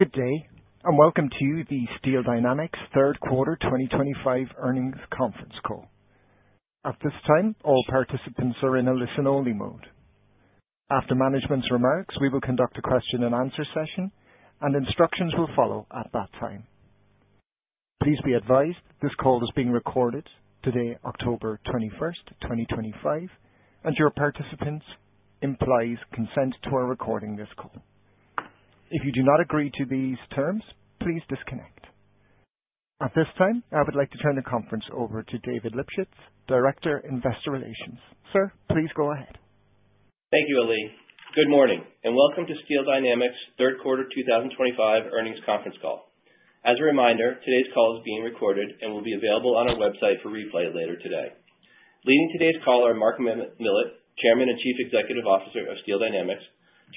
Good day and welcome to the Steel Dynamics third quarter 2025 earnings conference call. At this time, all participants are in a listen-only mode. After management's remarks, we will conduct a question-and-answer session, and instructions will follow at that time. Please be advised this call is being recorded today, October 21st, 2025, and your participation implies consent to our recording this call. If you do not agree to these terms, please disconnect. At this time, I would like to turn the conference over to David Lipschitz, Director of Investor Relations. Sir, please go ahead. Thank you, Ali. Good morning and welcome to Steel Dynamics third quarter 2025 Earnings Conference Call. As a reminder, today's call is being recorded and will be available on our website for replay later today. Leading today's call are Mark Millett, Chairman and Chief Executive Officer of Steel Dynamics,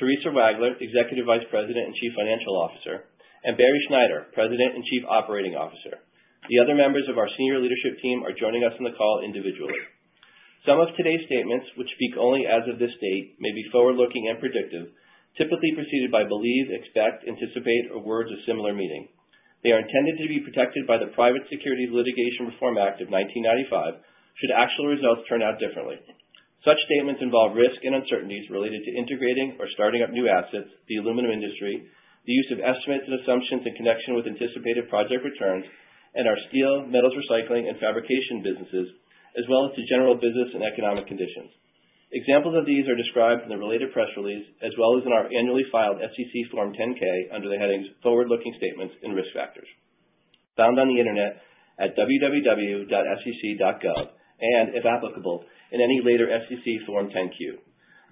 Theresa Wagler, Executive Vice President and Chief Financial Officer, and Barry Schneider, President and Chief Operating Officer. The other members of our senior leadership team are joining us in the call individually. Some of today's statements, which speak only as of this date, may be forward-looking and predictive, typically preceded by believe, expect, anticipate, or words of similar meaning. They are intended to be protected by the Private Securities Litigation Reform Act of 1995, should actual results turn out differently. Such statements involve risk and uncertainties related to integrating or starting up new assets, the aluminum industry, the use of estimates and assumptions in connection with anticipated project returns, and our steel, metals recycling, and fabrication businesses, as well as to general business and economic conditions. Examples of these are described in the related press release as well as in our annually filed SEC Form 10-K under the headings Forward-Looking Statements and Risk Factors, found on the internet at www.sec.gov and, if applicable, in any later SEC Form 10-Q.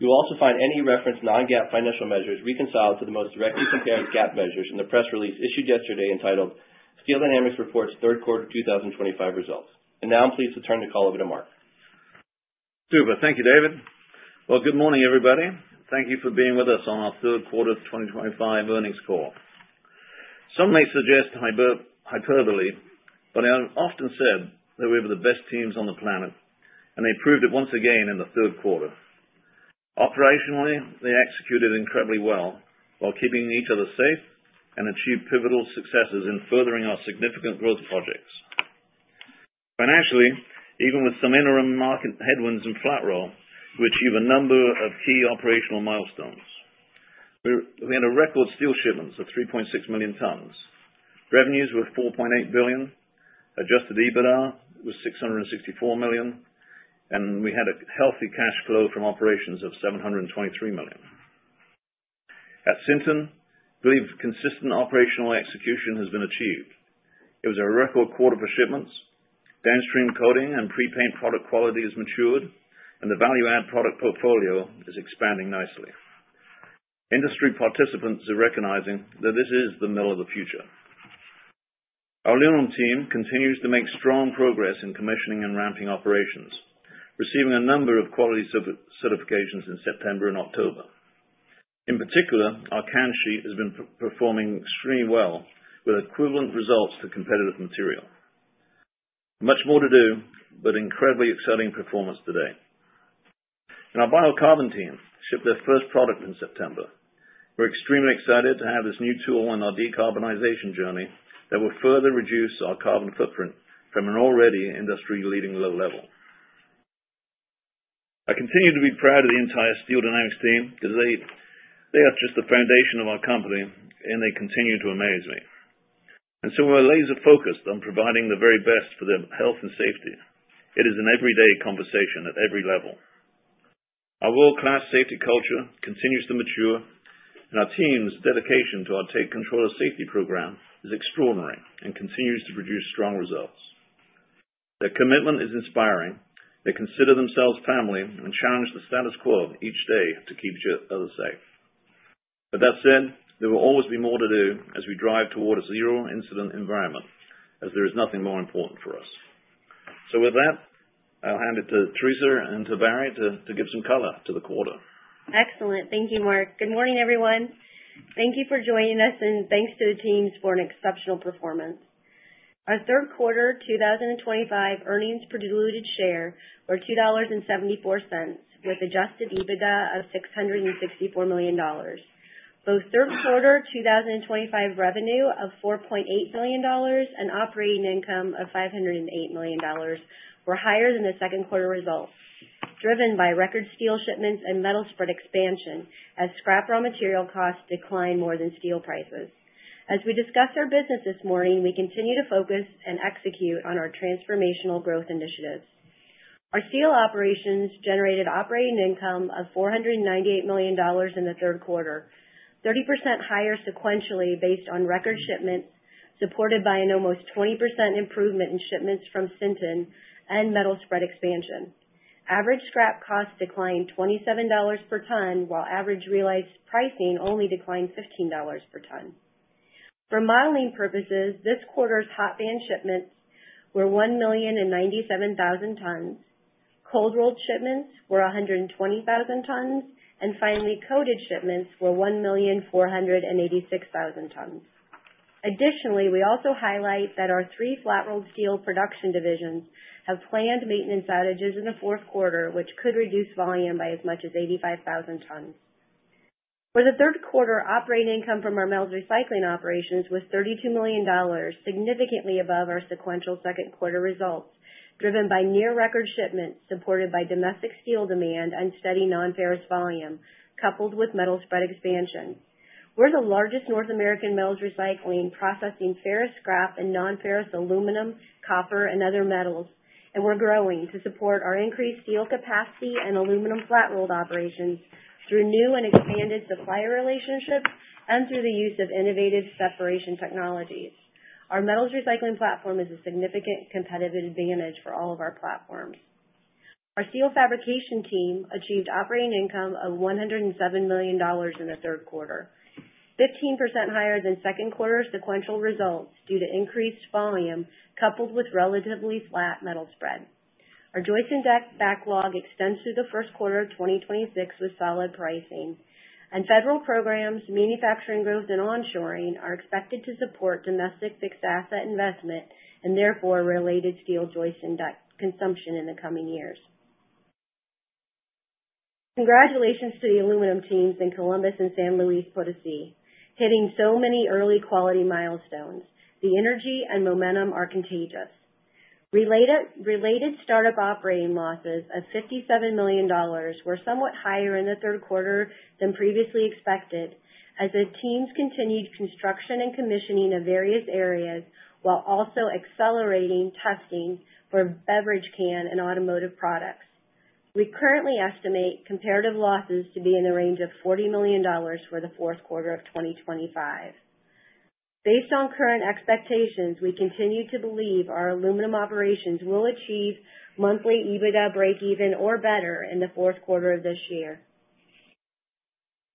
You will also find any referenced non-GAAP financial measures reconciled to the most directly compared GAAP measures in the press release issued yesterday entitled Steel Dynamics Reports Third Quarter 2025 Results, and now I'm pleased to turn the call over to Mark. Super. Thank you, David. Well, good morning, everybody. Thank you for being with us on our third quarter 2025 earnings call. Some may suggest hyperbole, but I have often said that we have the best teams on the planet, and they proved it once again in the third quarter. Operationally, they executed incredibly well while keeping each other safe and achieved pivotal successes in furthering our significant growth projects. Financially, even with some interim market headwinds and flat roll, we achieved a number of key operational milestones. We had a record steel shipments of 3.6 million tons. Revenues were $4.8 billion. Adjusted EBITDA was $664 million, and we had a healthy cash flow from operations of $723 million. At Sinton, we believe consistent operational execution has been achieved. It was a record quarter for shipments. Downstream coating and prepaint product quality has matured, and the value-add product portfolio is expanding nicely. Industry participants are recognizing that this is the mill of the future. Our aluminum team continues to make strong progress in commissioning and ramping operations, receiving a number of quality certifications in September and October. In particular, our can sheet has been performing extremely well with equivalent results to competitive material. Much more to do, but incredibly exciting performance today. And our biocarbon team shipped their first product in September. We're extremely excited to have this new tool in our decarbonization journey that will further reduce our carbon footprint from an already industry-leading low level. I continue to be proud of the entire Steel Dynamics team because they are just the foundation of our company, and they continue to amaze me. And so we're laser-focused on providing the very best for their health and safety. It is an everyday conversation at every level. Our world-class safety culture continues to mature, and our team's dedication to our Take Control of Safety program is extraordinary and continues to produce strong results. Their commitment is inspiring. They consider themselves family and challenge the status quo each day to keep each other safe. With that said, there will always be more to do as we drive toward a zero-incident environment, as there is nothing more important for us. So with that, I'll hand it to Theresa and to Barry to give some color to the quarter. Excellent. Thank you, Mark. Good morning, everyone. Thank you for joining us, and thanks to the teams for an exceptional performance. Our third quarter 2025 earnings per diluted share were $2.74, with Adjusted EBITDA of $664 million. Both third quarter 2025 revenue of $4.8 billion and operating income of $508 million were higher than the second quarter results, driven by record steel shipments and metal spread expansion as scrap raw material costs declined more than steel prices. As we discussed our business this morning, we continue to focus and execute on our transformational growth initiatives. Our steel operations generated operating income of $498 million in the third quarter, 30% higher sequentially based on record shipments, supported by an almost 20% improvement in shipments from Sinton and metal spread expansion. Average scrap costs declined $27 per ton, while average realized pricing only declined $15 per ton. For modeling purposes, this quarter's hot band shipments were 1,097,000 tons. Cold rolled shipments were 120,000 tons, and finally, coated shipments were 1,486,000 tons. Additionally, we also highlight that our three flat rolled steel production divisions have planned maintenance outages in the fourth quarter, which could reduce volume by as much as 85,000 tons. For the third quarter, operating income from our metals recycling operations was $32 million, significantly above our sequential second quarter results, driven by near-record shipments supported by domestic steel demand and steady non-ferrous volume, coupled with metal spread expansion. We're the largest North American metals recycling, processing ferrous scrap and non-ferrous aluminum, copper, and other metals, and we're growing to support our increased steel capacity and aluminum flat rolled operations through new and expanded supplier relationships and through the use of innovative separation technologies. Our metals recycling platform is a significant competitive advantage for all of our platforms. Our steel fabrication team achieved operating income of $107 million in the third quarter, 15% higher than second quarter sequential results due to increased volume coupled with relatively flat metal spread. Our joists backlog extends through the first quarter of 2026 with solid pricing, and federal programs, manufacturing growth, and onshoring are expected to support domestic fixed asset investment and therefore related steel joists consumption in the coming years. Congratulations to the aluminum teams in Columbus and San Luis Potosí. Hitting so many early quality milestones, the energy and momentum are contagious. Related startup operating losses of $57 million were somewhat higher in the third quarter than previously expected as the teams continued construction and commissioning of various areas while also accelerating testing for beverage can and automotive products. We currently estimate comparative losses to be in the range of $40 million for the fourth quarter of 2025. Based on current expectations, we continue to believe our aluminum operations will achieve monthly EBITDA break-even or better in the fourth quarter of this year.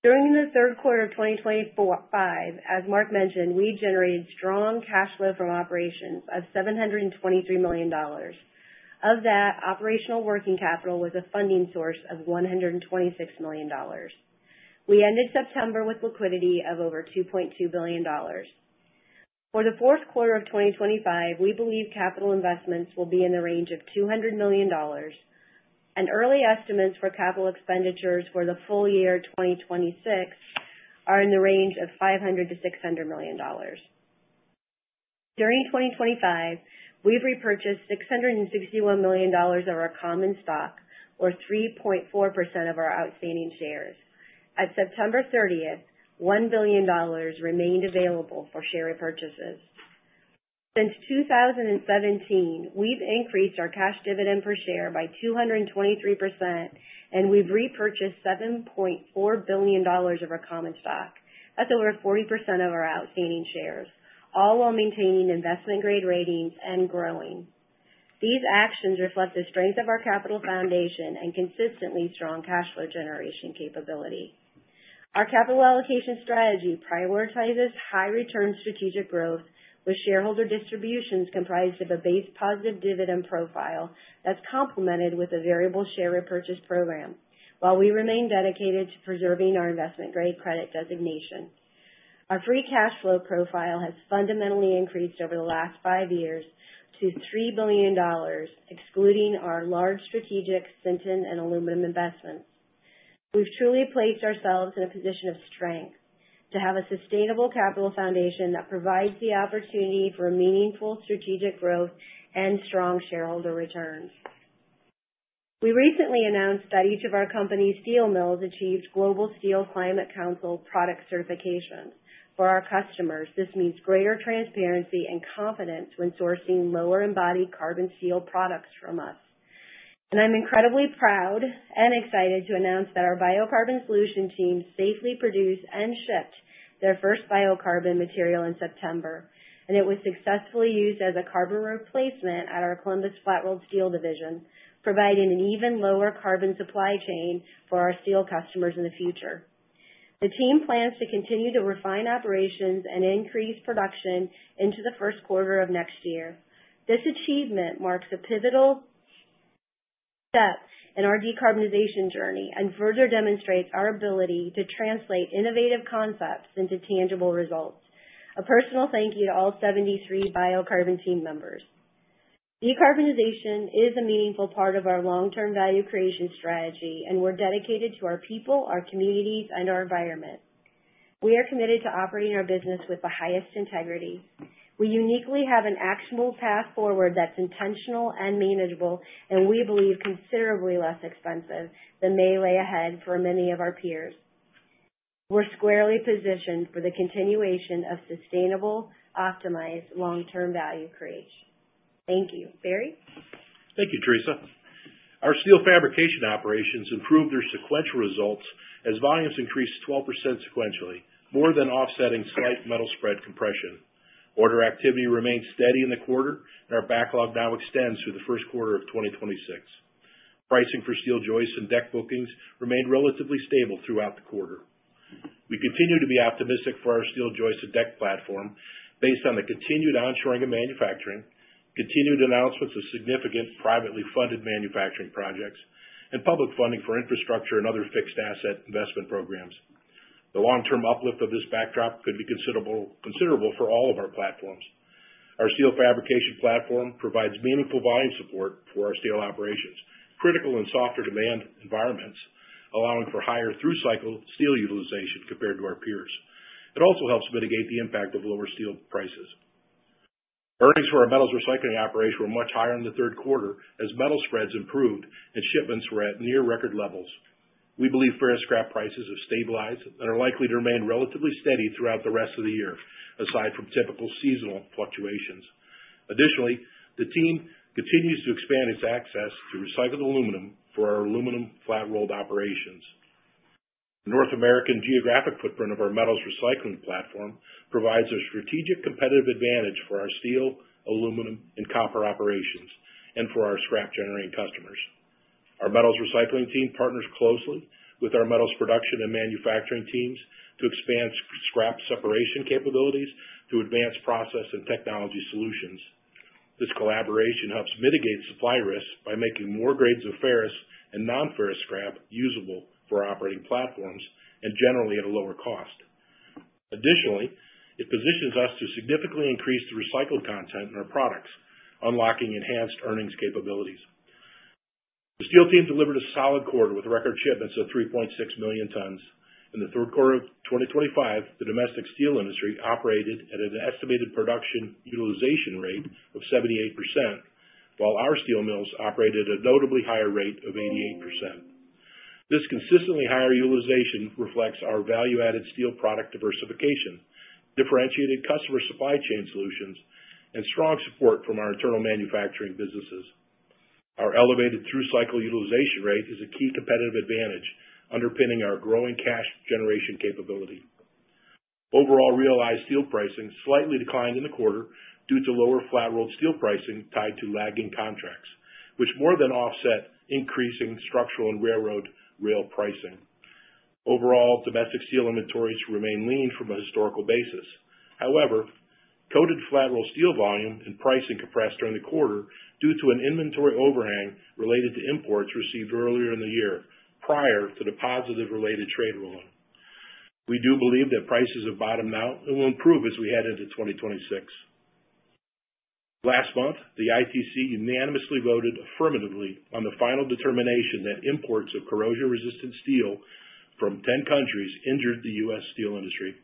During the third quarter of 2025, as Mark mentioned, we generated strong cash flow from operations of $723 million. Of that, operational working capital was a funding source of $126 million. We ended September with liquidity of over $2.2 billion. For the fourth quarter of 2025, we believe capital investments will be in the range of $200 million, and early estimates for capital expenditures for the full year 2026 are in the range of $500-$600 million. During 2025, we've repurchased $661 million of our common stock, or 3.4% of our outstanding shares. At September 30th, $1 billion remained available for share repurchases. Since 2017, we've increased our cash dividend per share by 223%, and we've repurchased $7.4 billion of our common stock. That's over 40% of our outstanding shares, all while maintaining investment-grade ratings and growing. These actions reflect the strength of our capital foundation and consistently strong cash flow generation capability. Our capital allocation strategy prioritizes high-return strategic growth with shareholder distributions comprised of a base positive dividend profile that's complemented with a variable share repurchase program, while we remain dedicated to preserving our investment-grade credit designation. Our free cash flow profile has fundamentally increased over the last five years to $3 billion, excluding our large strategic Sinton and aluminum investments. We've truly placed ourselves in a position of strength to have a sustainable capital foundation that provides the opportunity for meaningful strategic growth and strong shareholder returns. We recently announced that each of our company's steel mills achieved Global Steel Climate Council product certifications. For our customers, this means greater transparency and confidence when sourcing lower embodied carbon steel products from us, and I'm incredibly proud and excited to announce that our Biocarbon Solution Team safely produced and shipped their first biocarbon material in September, and it was successfully used as a carbon replacement at our Columbus flat rolled steel division, providing an even lower carbon supply chain for our steel customers in the future. The team plans to continue to refine operations and increase production into the first quarter of next year. This achievement marks a pivotal step in our decarbonization journey and further demonstrates our ability to translate innovative concepts into tangible results. A personal thank you to all 73 biocarbon team members. Decarbonization is a meaningful part of our long-term value creation strategy, and we're dedicated to our people, our communities, and our environment. We are committed to operating our business with the highest integrity. We uniquely have an actionable path forward that's intentional and manageable, and we believe considerably less expensive than may lay ahead for many of our peers. We're squarely positioned for the continuation of sustainable, optimized long-term value creation. Thank you. Barry? Thank you, Theresa. Our steel fabrication operations improved their sequential results as volumes increased 12% sequentially, more than offsetting slight metal spread compression. Order activity remained steady in the quarter, and our backlog now extends through the first quarter of 2026. Pricing for steel joists and deck bookings remained relatively stable throughout the quarter. We continue to be optimistic for our steel joists and deck platform based on the continued onshoring of manufacturing, continued announcements of significant privately funded manufacturing projects, and public funding for infrastructure and other fixed asset investment programs. The long-term uplift of this backdrop could be considerable for all of our platforms. Our steel fabrication platform provides meaningful volume support for our steel operations, critical in softer demand environments, allowing for higher through-cycle steel utilization compared to our peers. It also helps mitigate the impact of lower steel prices. Earnings for our metals recycling operation were much higher in the third quarter as metal spreads improved and shipments were at near-record levels. We believe ferrous scrap prices have stabilized and are likely to remain relatively steady throughout the rest of the year, aside from typical seasonal fluctuations. Additionally, the team continues to expand its access to recycled aluminum for our aluminum flat rolled operations. The North American geographic footprint of our metals recycling platform provides a strategic competitive advantage for our steel, aluminum, and copper operations, and for our scrap-generating customers. Our metals recycling team partners closely with our metals production and manufacturing teams to expand scrap separation capabilities through advanced process and technology solutions. This collaboration helps mitigate supply risks by making more grades of ferrous and non-ferrous scrap usable for operating platforms and generally at a lower cost. Additionally, it positions us to significantly increase the recycled content in our products, unlocking enhanced earnings capabilities. The steel team delivered a solid quarter with record shipments of 3.6 million tons. In the third quarter of 2025, the domestic steel industry operated at an estimated production utilization rate of 78%, while our steel mills operated at a notably higher rate of 88%. This consistently higher utilization reflects our value-added steel product diversification, differentiated customer supply chain solutions, and strong support from our internal manufacturing businesses. Our elevated through-cycle utilization rate is a key competitive advantage underpinning our growing cash generation capability. Overall realized steel pricing slightly declined in the quarter due to lower flat rolled steel pricing tied to lagging contracts, which more than offset increasing structural and railroad rail pricing. Overall, domestic steel inventories remain lean from a historical basis. However, coated flat rolled steel volume and pricing compressed during the quarter due to an inventory overhang related to imports received earlier in the year prior to the positive related trade ruling. We do believe that prices have bottomed out and will improve as we head into 2026. Last month, the ITC unanimously voted affirmatively on the final determination that imports of corrosion-resistant steel from 10 countries injured the U.S. steel industry.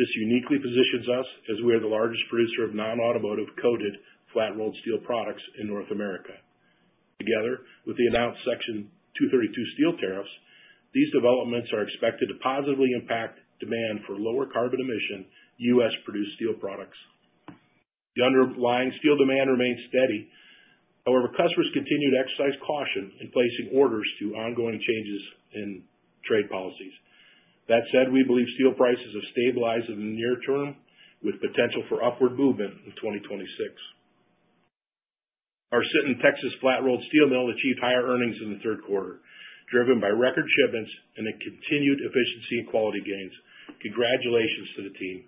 This uniquely positions us as we are the largest producer of non-automotive coated flat rolled steel products in North America. Together with the announced Section 232 steel tariffs, these developments are expected to positively impact demand for lower carbon emission U.S.-produced steel products. The underlying steel demand remains steady. However, customers continue to exercise caution in placing orders due to ongoing changes in trade policies. That said, we believe steel prices have stabilized in the near term with potential for upward movement in 2026. Our Sinton Texas flat rolled steel mill achieved higher earnings in the third quarter, driven by record shipments and continued efficiency and quality gains. Congratulations to the team.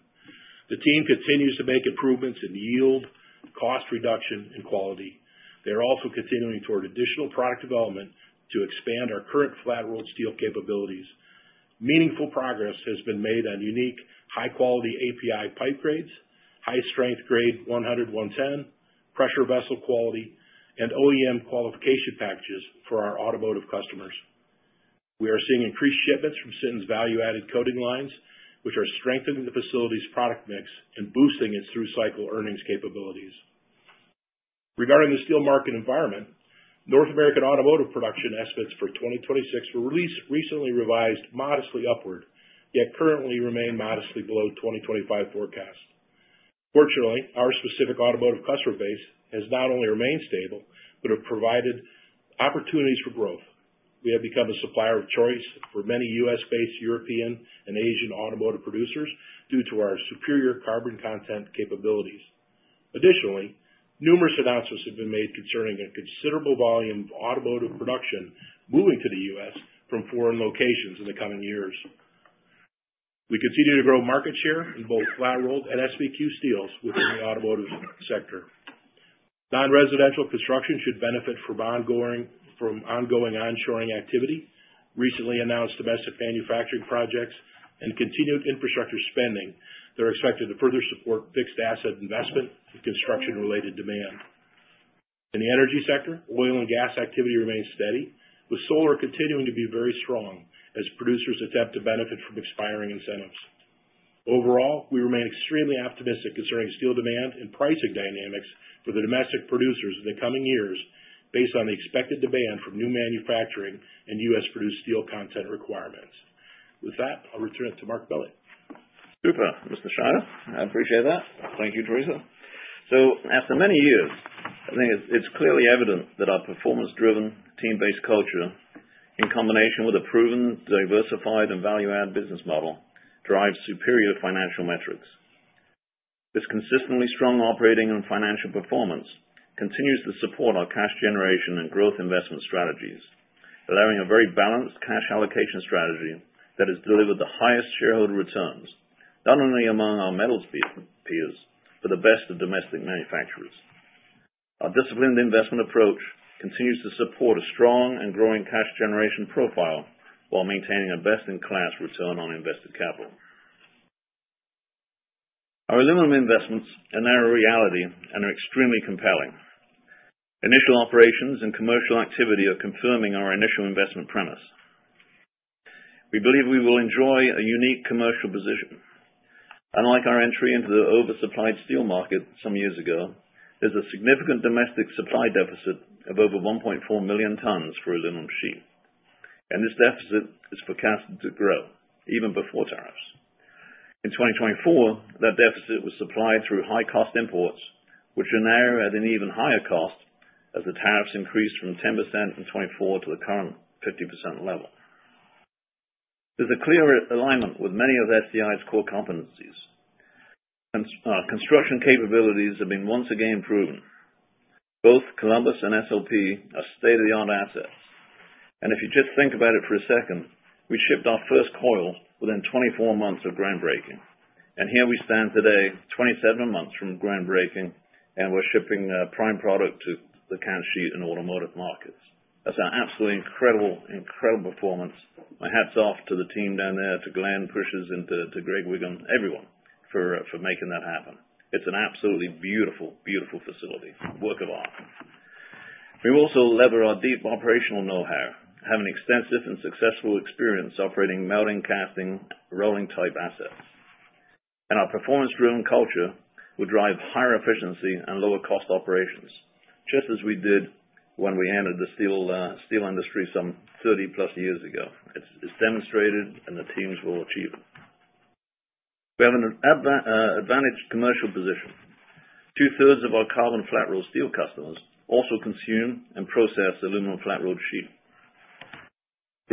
The team continues to make improvements in yield, cost reduction, and quality. They are also continuing toward additional product development to expand our current flat rolled steel capabilities. Meaningful progress has been made on unique high-quality API pipe grades, high-strength Grade 100, 110, pressure vessel quality, and OEM qualification packages for our automotive customers. We are seeing increased shipments from Sinton's value-added coating lines, which are strengthening the facility's product mix and boosting its through-cycle earnings capabilities. Regarding the steel market environment, North American automotive production estimates for 2026 were recently revised modestly upward, yet currently remain modestly below 2025 forecast. Fortunately, our specific automotive customer base has not only remained stable, but have provided opportunities for growth. We have become a supplier of choice for many U.S.-based, European, and Asian automotive producers due to our superior carbon content capabilities. Additionally, numerous announcements have been made concerning a considerable volume of automotive production moving to the U.S. from foreign locations in the coming years. We continue to grow market share in both flat rolled and SBQ steels within the automotive sector. Non-residential construction should benefit from ongoing onshoring activity, recently announced domestic manufacturing projects, and continued infrastructure spending that are expected to further support fixed asset investment and construction-related demand. In the energy sector, oil and gas activity remains steady, with solar continuing to be very strong as producers attempt to benefit from expiring incentives. Overall, we remain extremely optimistic concerning steel demand and pricing dynamics for the domestic producers in the coming years based on the expected demand from new manufacturing and U.S.-produced steel content requirements. With that, I'll return to Mark Millett. Super, Mr. Schneider. I appreciate that. Thank you, Theresa. So after many years, I think it's clearly evident that our performance-driven, team-based culture, in combination with a proven, diversified, and value-added business model, drives superior financial metrics. This consistently strong operating and financial performance continues to support our cash generation and growth investment strategies, allowing a very balanced cash allocation strategy that has delivered the highest shareholder returns, not only among our metals peers, but the best of domestic manufacturers. Our disciplined investment approach continues to support a strong and growing cash generation profile while maintaining a best-in-class Return on Invested Capital. Our aluminum investments are now a reality and are extremely compelling. Initial operations and commercial activity are confirming our initial investment premise. We believe we will enjoy a unique commercial position. Unlike our entry into the oversupplied steel market some years ago, there's a significant domestic supply deficit of over 1.4 million tons for aluminum sheet, and this deficit is forecast to grow even before tariffs. In 2024, that deficit was supplied through high-cost imports, which are now at an even higher cost as the tariffs increased from 10% in 2024 to the current 50% level. There's a clear alignment with many of SDI's core competencies. Our construction capabilities have been once again proven. Both Columbus and SLP are state-of-the-art assets. And if you just think about it for a second, we shipped our first coil within 24 months of groundbreaking. And here we stand today, 27 months from groundbreaking, and we're shipping prime product to the can sheet and automotive markets. That's an absolutely incredible, incredible performance. My hat's off to the team down there, to Glenn Pushis and to Greg Whigham, everyone, for making that happen. It's an absolutely beautiful, beautiful facility. Work of art. We also leverage our deep operational know-how, having extensive and successful experience operating melting, casting, rolling-type assets, and our performance-driven culture will drive higher efficiency and lower-cost operations, just as we did when we entered the steel industry some 30-plus years ago. It's demonstrated, and the teams will achieve it. We have an advantaged commercial position. Two-thirds of our carbon flat rolled steel customers also consume and process aluminum flat rolled sheet.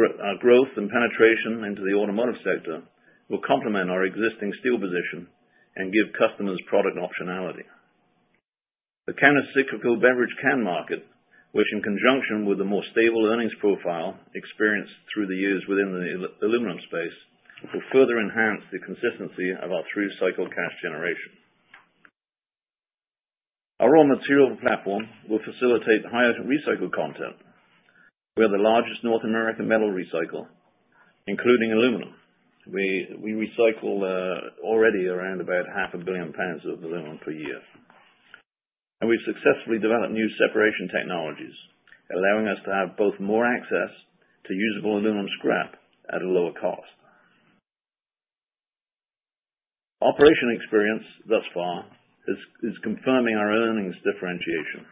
Our growth and penetration into the automotive sector will complement our existing steel position and give customers product optionality. The canned cyclical beverage can market, which in conjunction with the more stable earnings profile experienced through the years within the aluminum space, will further enhance the consistency of our through-cycle cash generation. Our raw material platform will facilitate higher recycled content. We are the largest North American metal recycler, including aluminum. We recycle already around about 500 million pounds of aluminum per year. And we've successfully developed new separation technologies, allowing us to have both more access to usable aluminum scrap at a lower cost. Operational experience thus far is confirming our earnings differentiation.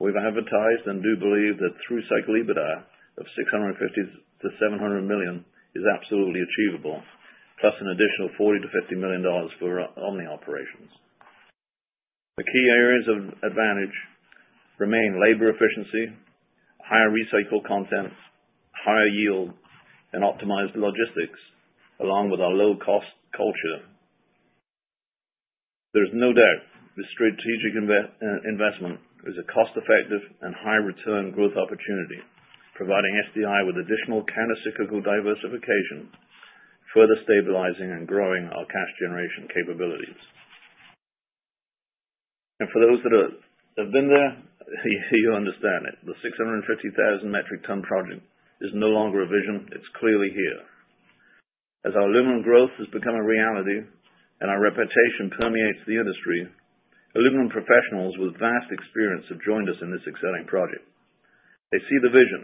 We've advertised and do believe that through-cycle EBITDA of $650-$700 million is absolutely achievable, plus an additional $40-$50 million for Omni operations. The key areas of advantage remain labor efficiency, higher recycled content, higher yield, and optimized logistics, along with our low-cost culture. There's no doubt the strategic investment is a cost-effective and high-return growth opportunity, providing SDI with additional can cyclical diversification, further stabilizing and growing our cash generation capabilities. And for those that have been there, you understand it. The 650,000 metric ton project is no longer a vision. It's clearly here. As our aluminum growth has become a reality and our reputation permeates the industry, aluminum professionals with vast experience have joined us in this exciting project. They see the vision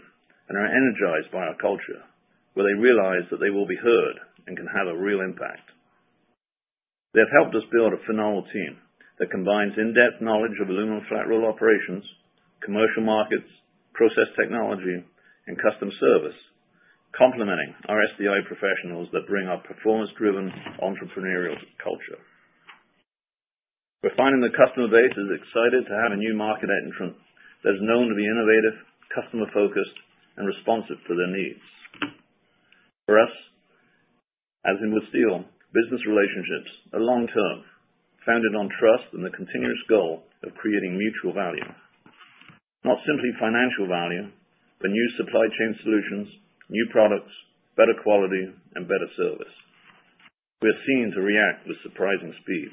and are energized by our culture, where they realize that they will be heard and can have a real impact. They have helped us build a phenomenal team that combines in-depth knowledge of aluminum flat roll operations, commercial markets, process technology, and customer service, complementing our SDI professionals that bring our performance-driven, entrepreneurial culture. We're finding the customer base is excited to have a new market entrant that is known to be innovative, customer-focused, and responsive to their needs. For us, as in with steel, business relationships are long-term, founded on trust and the continuous goal of creating mutual value. Not simply financial value, but new supply chain solutions, new products, better quality, and better service. We're seen to react with surprising speed.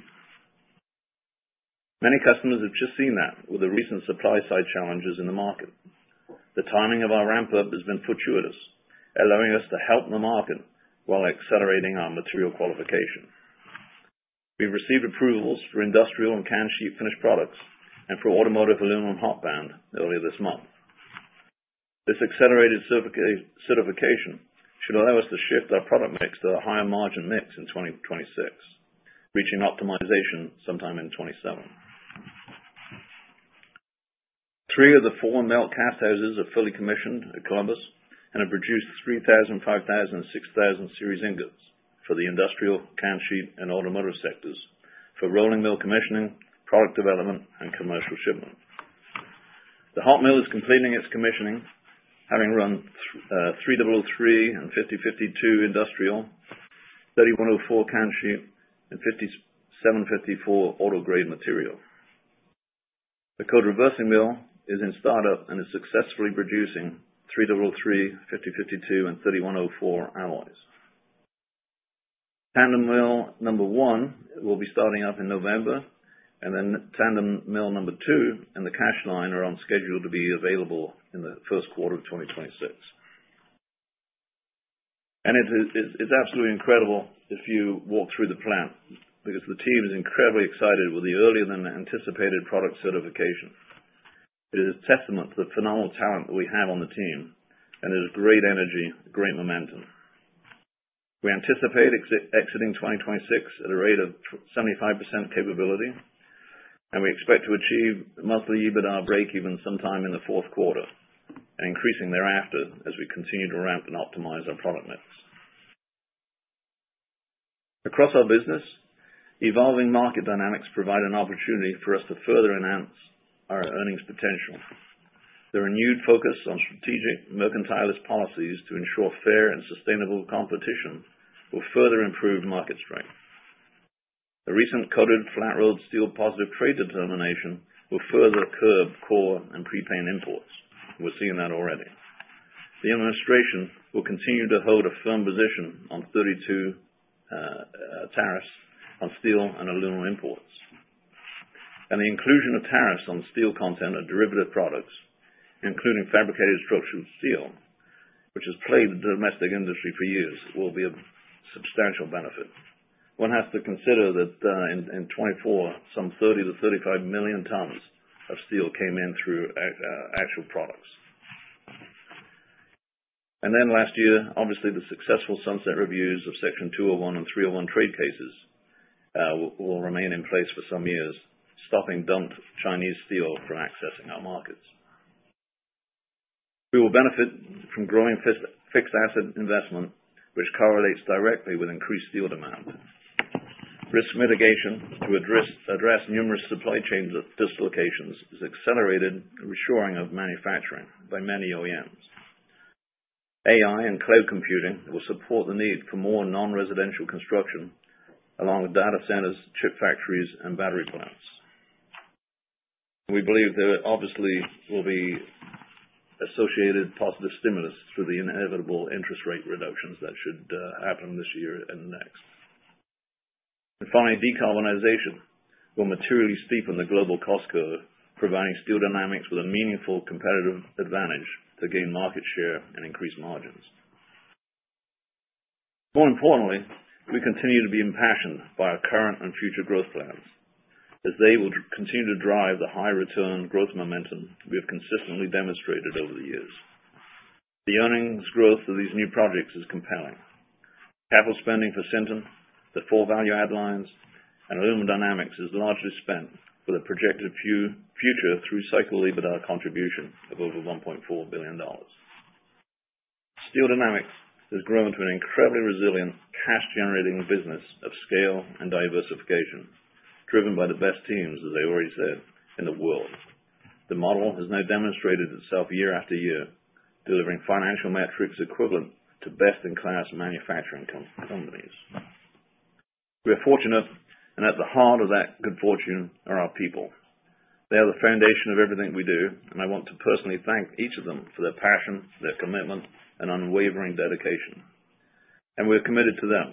Many customers have just seen that with the recent supply-side challenges in the market. The timing of our ramp-up has been fortuitous, allowing us to help the market while accelerating our material qualification. We've received approvals for industrial and can sheet finished products and for automotive aluminum hot band earlier this month. This accelerated certification should allow us to shift our product mix to a higher margin mix in 2026, reaching optimization sometime in 2027. Three of the four melt cast houses are fully commissioned at Columbus and have produced 3,000, 5,000, and 6,000 series ingots for the industrial, can sheet, and automotive sectors for rolling mill commissioning, product development, and commercial shipment. The hot mill is completing its commissioning, having run 3003 and 5052 industrial, 3104 can sheet, and 5754 auto grade material. The cold reversing mill is in startup and is successfully producing 3003, 5052, and 3104 alloys. Tandem mill number one will be starting up in November, and then tandem mill number two and the CASH line are on schedule to be available in the first quarter of 2026, and it's absolutely incredible if you walk through the plant because the team is incredibly excited with the earlier than anticipated product certification. It is a testament to the phenomenal talent that we have on the team, and there's great energy, great momentum. We anticipate exiting 2026 at a rate of 75% capability, and we expect to achieve monthly EBITDA break-even sometime in the fourth quarter, increasing thereafter as we continue to ramp and optimize our product mix. Across our business, evolving market dynamics provide an opportunity for us to further enhance our earnings potential. The renewed focus on strategic mercantilist policies to ensure fair and sustainable competition will further improve market strength. The recent coated flat-rolled steel positive trade determination will further curb coil and prepaint imports. We're seeing that already. The administration will continue to hold a firm position on 232 tariffs on steel and aluminum imports, and the inclusion of tariffs on steel content and derivative products, including fabricated structural steel, which has plagued the domestic industry for years, will be a substantial benefit. One has to consider that in 2024, some 30-35 million tons of steel came in through actual products. And then last year, obviously, the successful sunset reviews of Section 201 and 301 trade cases will remain in place for some years, stopping dumped Chinese steel from accessing our markets. We will benefit from growing fixed asset investment, which correlates directly with increased steel demand. Risk mitigation to address numerous supply chain dislocations is accelerated, reshoring of manufacturing by many OEMs. AI and cloud computing will support the need for more non-residential construction, along with data centers, chip factories, and battery plants. We believe there obviously will be associated positive stimulus through the inevitable interest rate reductions that should happen this year and next. And finally, decarbonization will materially steepen the global cost curve, providing Steel Dynamics with a meaningful competitive advantage to gain market share and increase margins. More importantly, we continue to be impassioned by our current and future growth plans as they will continue to drive the high-return growth momentum we have consistently demonstrated over the years. The earnings growth of these new projects is compelling. Capital spending for Sinton, the four value add lines, and Aluminum Dynamics is largely spent for the projected future through-cycle EBITDA contribution of over $1.4 billion. Steel Dynamics has grown to an incredibly resilient cash-generating business of scale and diversification, driven by the best teams, as I already said, in the world. The model has now demonstrated itself year after year, delivering financial metrics equivalent to best-in-class manufacturing companies. We are fortunate, and at the heart of that good fortune are our people. They are the foundation of everything we do, and I want to personally thank each of them for their passion, their commitment, and unwavering dedication. And we're committed to them.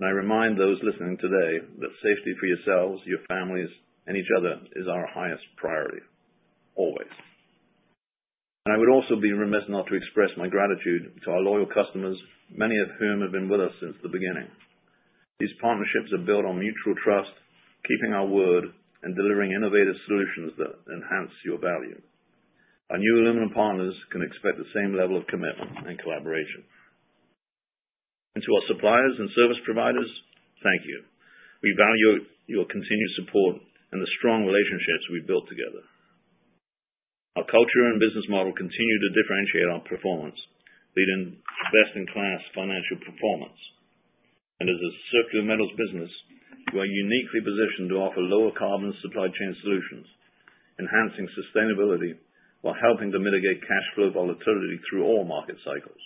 And I remind those listening today that safety for yourselves, your families, and each other is our highest priority. Always. And I would also be remiss not to express my gratitude to our loyal customers, many of whom have been with us since the beginning. These partnerships are built on mutual trust, keeping our word, and delivering innovative solutions that enhance your value. Our new aluminum partners can expect the same level of commitment and collaboration. And to our suppliers and service providers, thank you. We value your continued support and the strong relationships we've built together. Our culture and business model continue to differentiate our performance, leading to best-in-class financial performance. And as a circular metals business, we are uniquely positioned to offer lower-carbon supply chain solutions, enhancing sustainability while helping to mitigate cash flow volatility through all market cycles.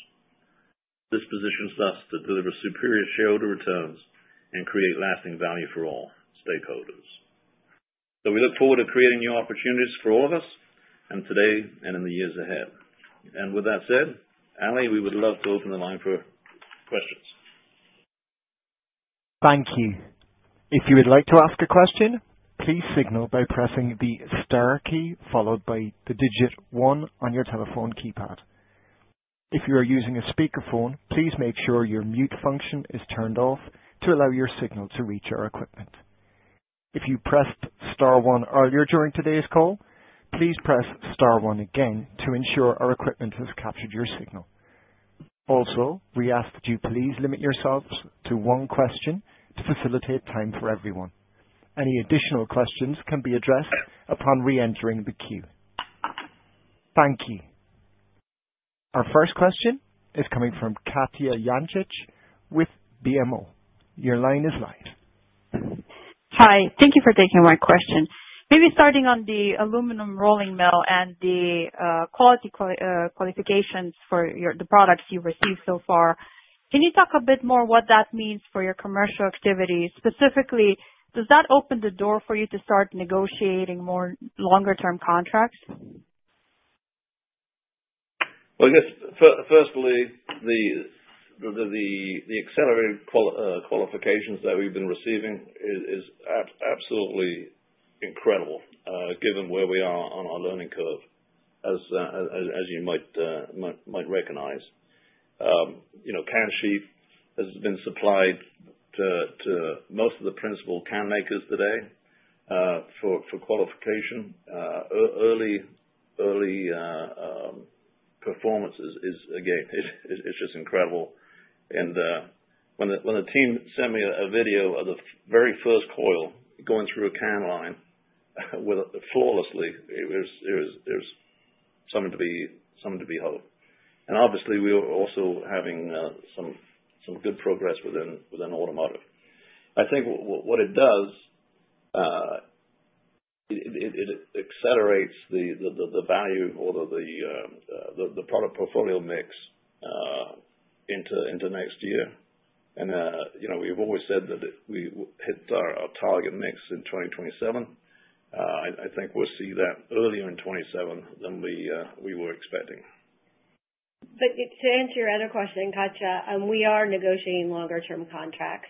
This positions us to deliver superior shareholder returns and create lasting value for all stakeholders, so we look forward to creating new opportunities for all of us today and in the years ahead, and with that said, Ali, we would love to open the line for questions. Thank you. If you would like to ask a question, please signal by pressing the star key followed by the digit one on your telephone keypad. If you are using a speakerphone, please make sure your mute function is turned off to allow your signal to reach our equipment. If you pressed star one earlier during today's call, please press star one again to ensure our equipment has captured your signal. Also, we ask that you please limit yourselves to one question to facilitate time for everyone. Any additional questions can be addressed upon re-entering the queue. Thank you. Our first question is coming from Katja Jancic with BMO. Your line is live. Hi. Thank you for taking my question. Maybe starting on the aluminum rolling mill and the quality qualifications for the products you've received so far, can you talk a bit more what that means for your commercial activity? Specifically, does that open the door for you to start negotiating more longer-term contracts? Well, I guess, firstly, the accelerated qualifications that we've been receiving is absolutely incredible given where we are on our learning curve, as you might recognize. Can sheet has been supplied to most of the principal can makers today for qualification. Early performance is, again, it's just incredible. And when the team sent me a video of the very first coil going through a can line flawlessly, it was something to behold. And obviously, we are also having some good progress within automotive. I think what it does, it accelerates the value or the product portfolio mix into next year. And we've always said that we hit our target mix in 2027. I think we'll see that earlier in 2027 than we were expecting. But to answer your other question, Katya, we are negotiating longer-term contracts,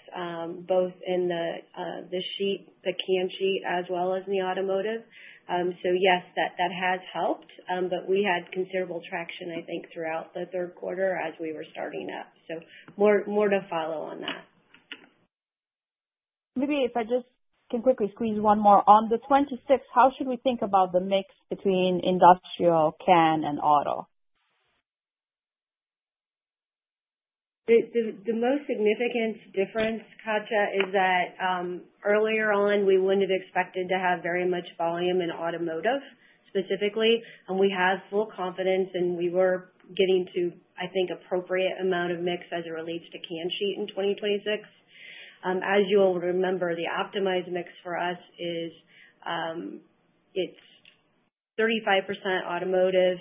both in the sheet, the can sheet, as well as in the automotive. So yes, that has helped, but we had considerable traction, I think, throughout the third quarter as we were starting up. So more to follow on that. Maybe if I just can quickly squeeze one more on the 26th, how should we think about the mix between industrial, can, and auto? The most significant difference, Katya, is that earlier on, we wouldn't have expected to have very much volume in automotive specifically. And we have full confidence, and we were getting to, I think, appropriate amount of mix as it relates to can sheet in 2026. As you all remember, the optimized mix for us is it's 35% automotive.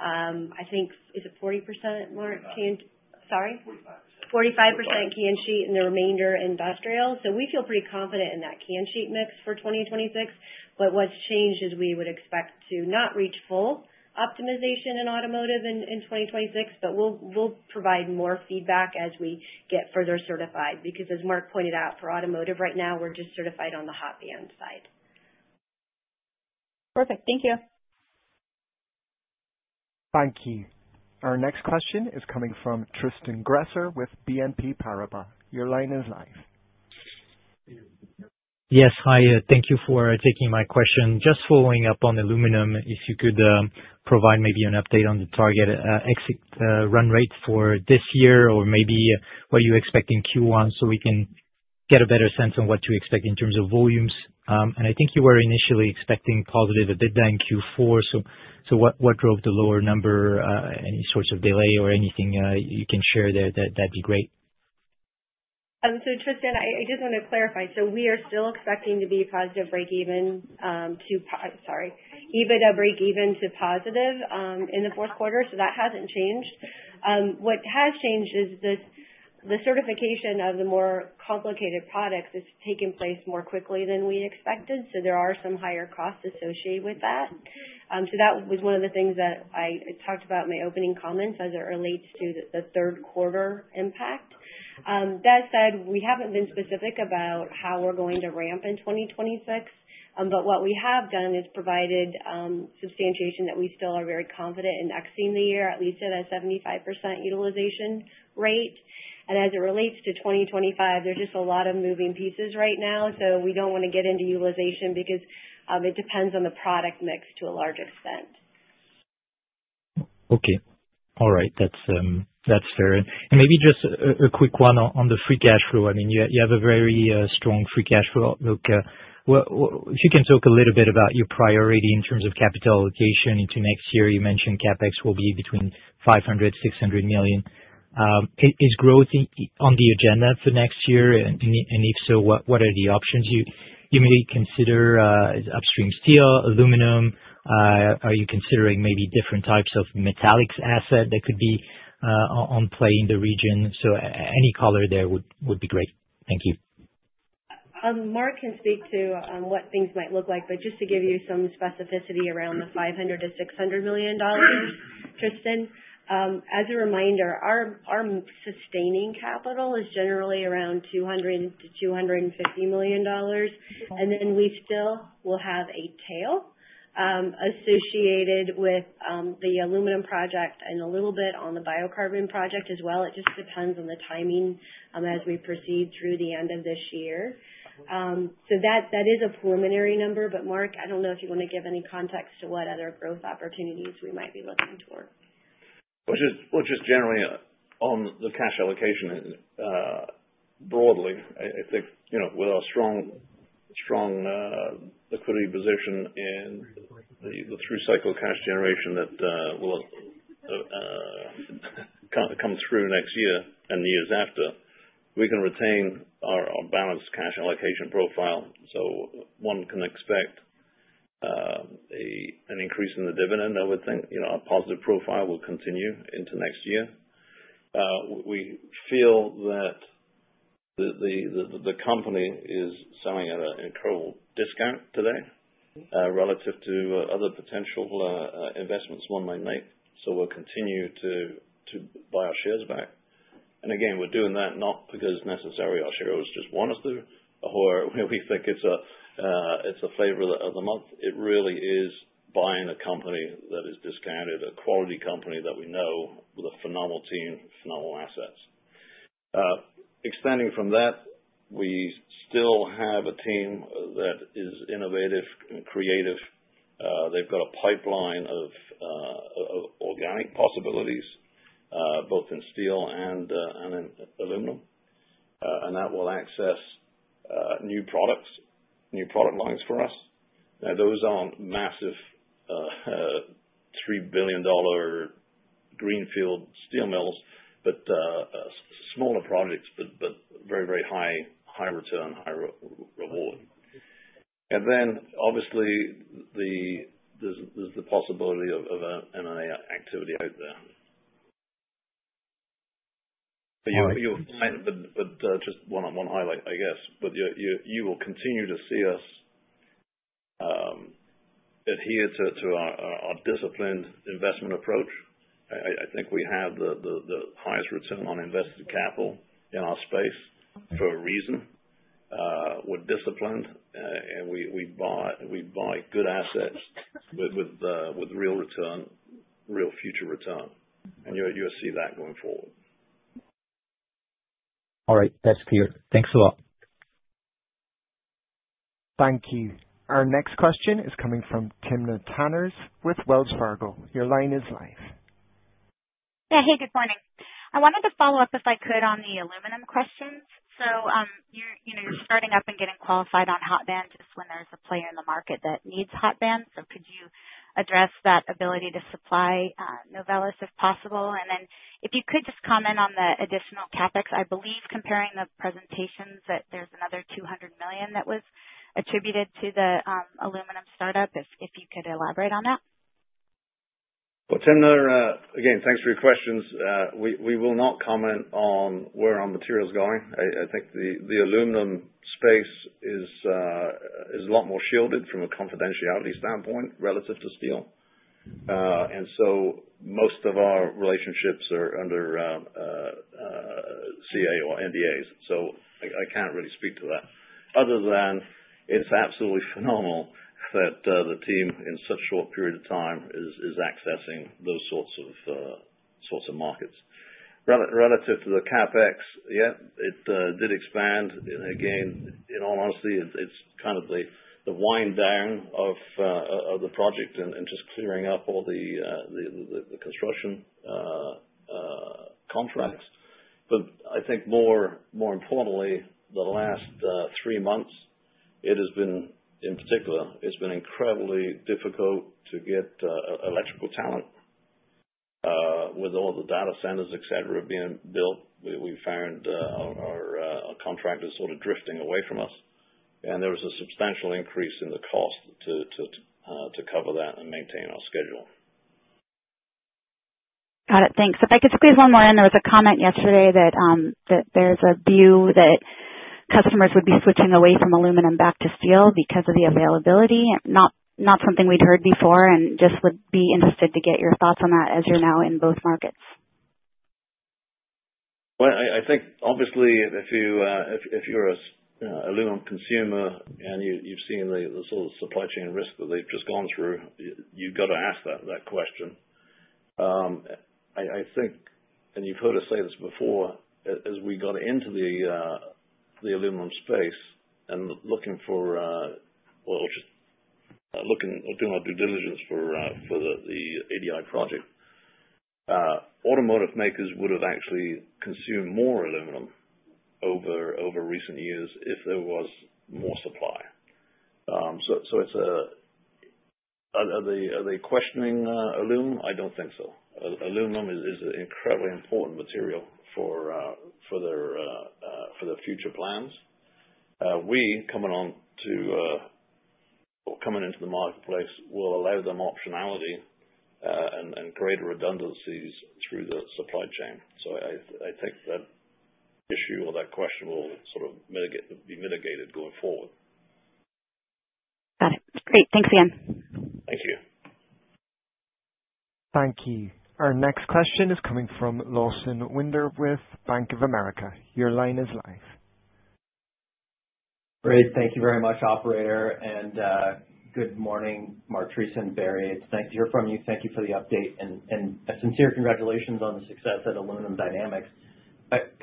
I think is it 40%, Mark? Sorry. 45%. 45% can sheet and the remainder industrial, so we feel pretty confident in that can sheet mix for 2026, but what's changed is we would expect to not reach full optimization in automotive in 2026, but we'll provide more feedback as we get further certified because, as Mark pointed out, for automotive right now, we're just certified on the hot band side. Perfect. Thank you. Thank you. Our next question is coming from Tristan Gresser with BNP Paribas. Your line is live. Yes. Hi. Thank you for taking my question. Just following up on aluminum, if you could provide maybe an update on the target exit run rate for this year or maybe what you expect in Q1 so we can get a better sense on what to expect in terms of volumes. And I think you were initially expecting positive EBITDA in Q4. So what drove the lower number? Any sorts of delay or anything you can share there? That'd be great. So Tristan, I just want to clarify. So we are still expecting to be positive break-even to sorry, EBITDA break-even to positive in the fourth quarter, so that hasn't changed. What has changed is the certification of the more complicated products is taking place more quickly than we expected, so there are some higher costs associated with that. So that was one of the things that I talked about in my opening comments as it relates to the third quarter impact. That said, we haven't been specific about how we're going to ramp in 2026, but what we have done is provided substantiation that we still are very confident in exiting the year, at least at a 75% utilization rate. And as it relates to 2025, there's just a lot of moving pieces right now, so we don't want to get into utilization because it depends on the product mix to a large extent. Okay. All right. That's fair. And maybe just a quick one on the free cash flow. I mean, you have a very strong free cash flow. If you can talk a little bit about your priority in terms of capital allocation into next year. You mentioned CapEx will be between $500-$600 million. Is growth on the agenda for next year? And if so, what are the options you may consider? Is upstream steel, aluminum? Are you considering maybe different types of metallics asset that could be in play in the region? So any color there would be great. Thank you. Mark can speak to what things might look like, but just to give you some specificity around the $500-$600 million, Tristan, as a reminder, our sustaining capital is generally around $200-$250 million. And then we still will have a tail associated with the aluminum project and a little bit on the biocarbon project as well. It just depends on the timing as we proceed through the end of this year. So that is a preliminary number, but Mark, I don't know if you want to give any context to what other growth opportunities we might be looking toward. Well, just generally on the cash allocation broadly, I think with our strong liquidity position and the through-cycle cash generation that will come through next year and the years after, we can retain our balanced cash allocation profile. So one can expect an increase in the dividend, I would think. Our positive profile will continue into next year. We feel that the company is selling at an incredible discount today relative to other potential investments one might make. So we'll continue to buy our shares back. And again, we're doing that not because necessarily our shareholders just want us to, or we think it's a flavor of the month. It really is buying a company that is discounted, a quality company that we know with a phenomenal team, phenomenal assets. Extending from that, we still have a team that is innovative and creative. They've got a pipeline of organic possibilities both in steel and in aluminum, and that will access new products, new product lines for us. Now, those aren't massive $3 billion greenfield steel mills, but smaller projects, but very, very high return, high reward. And then, obviously, there's the possibility of M&A activity out there. But just one highlight, I guess. But you will continue to see us adhere to our disciplined investment approach. I think we have the highest return on invested capital in our space for a reason. We're disciplined, and we buy good assets with real return, real future return. And you'll see that going forward. All right. That's clear. Thanks a lot. Thank you. Our next question is coming from Timna Tanners with Wells Fargo. Your line is live. Yeah. Hey, good morning. I wanted to follow up if I could on the aluminum questions. So you're starting up and getting qualified on hot band just when there's a player in the market that needs hot bands. So could you address that ability to supply Novelis if possible? And then if you could just comment on the additional CapEx. I believe comparing the presentations that there's another $200 million that was attributed to the aluminum startup, if you could elaborate on that. Well, Tim, again, thanks for your questions. We will not comment on where our material's going. I think the aluminum space is a lot more shielded from a confidentiality standpoint relative to steel. And so most of our relationships are under CA or NDAs. So I can't really speak to that other than it's absolutely phenomenal that the team in such a short period of time is accessing those sorts of markets. Relative to the CapEx, yeah, it did expand. Again, in all honesty, it's kind of the wind down of the project and just clearing up all the construction contracts. But I think more importantly, the last three months, it has been, in particular, it's been incredibly difficult to get electrical talent with all the data centers, etc., being built. We found our contractors sort of drifting away from us. And there was a substantial increase in the cost to cover that and maintain our schedule. Got it. Thanks. If I could squeeze one more in, there was a comment yesterday that there's a view that customers would be switching away from aluminum back to steel because of the availability. Not something we'd heard before, and just would be interested to get your thoughts on that as you're now in both markets. Well, I think obviously, if you're an aluminum consumer and you've seen the sort of supply chain risk that they've just gone through, you've got to ask that question. I think, and you've heard us say this before, as we got into the aluminum space and looking for or doing our due diligence for the ADI project, automotive makers would have actually consumed more aluminum over recent years if there was more supply, so are they questioning aluminum? I don't think so. Aluminum is an incredibly important material for their future plans. We, coming on to or coming into the marketplace, will allow them optionality and greater redundancies through the supply chain, so I think that issue or that question will sort of be mitigated going forward. Got it. Great. Thanks again. Thank you. Thank you. Our next question is coming from Lawson Winder with Bank of America. Your line is live. Great. Thank you very much, operator. And good morning, Mark Tristan and Barry. It's nice to hear from you. Thank you for the update. And sincere congratulations on the success at Aluminum Dynamics. What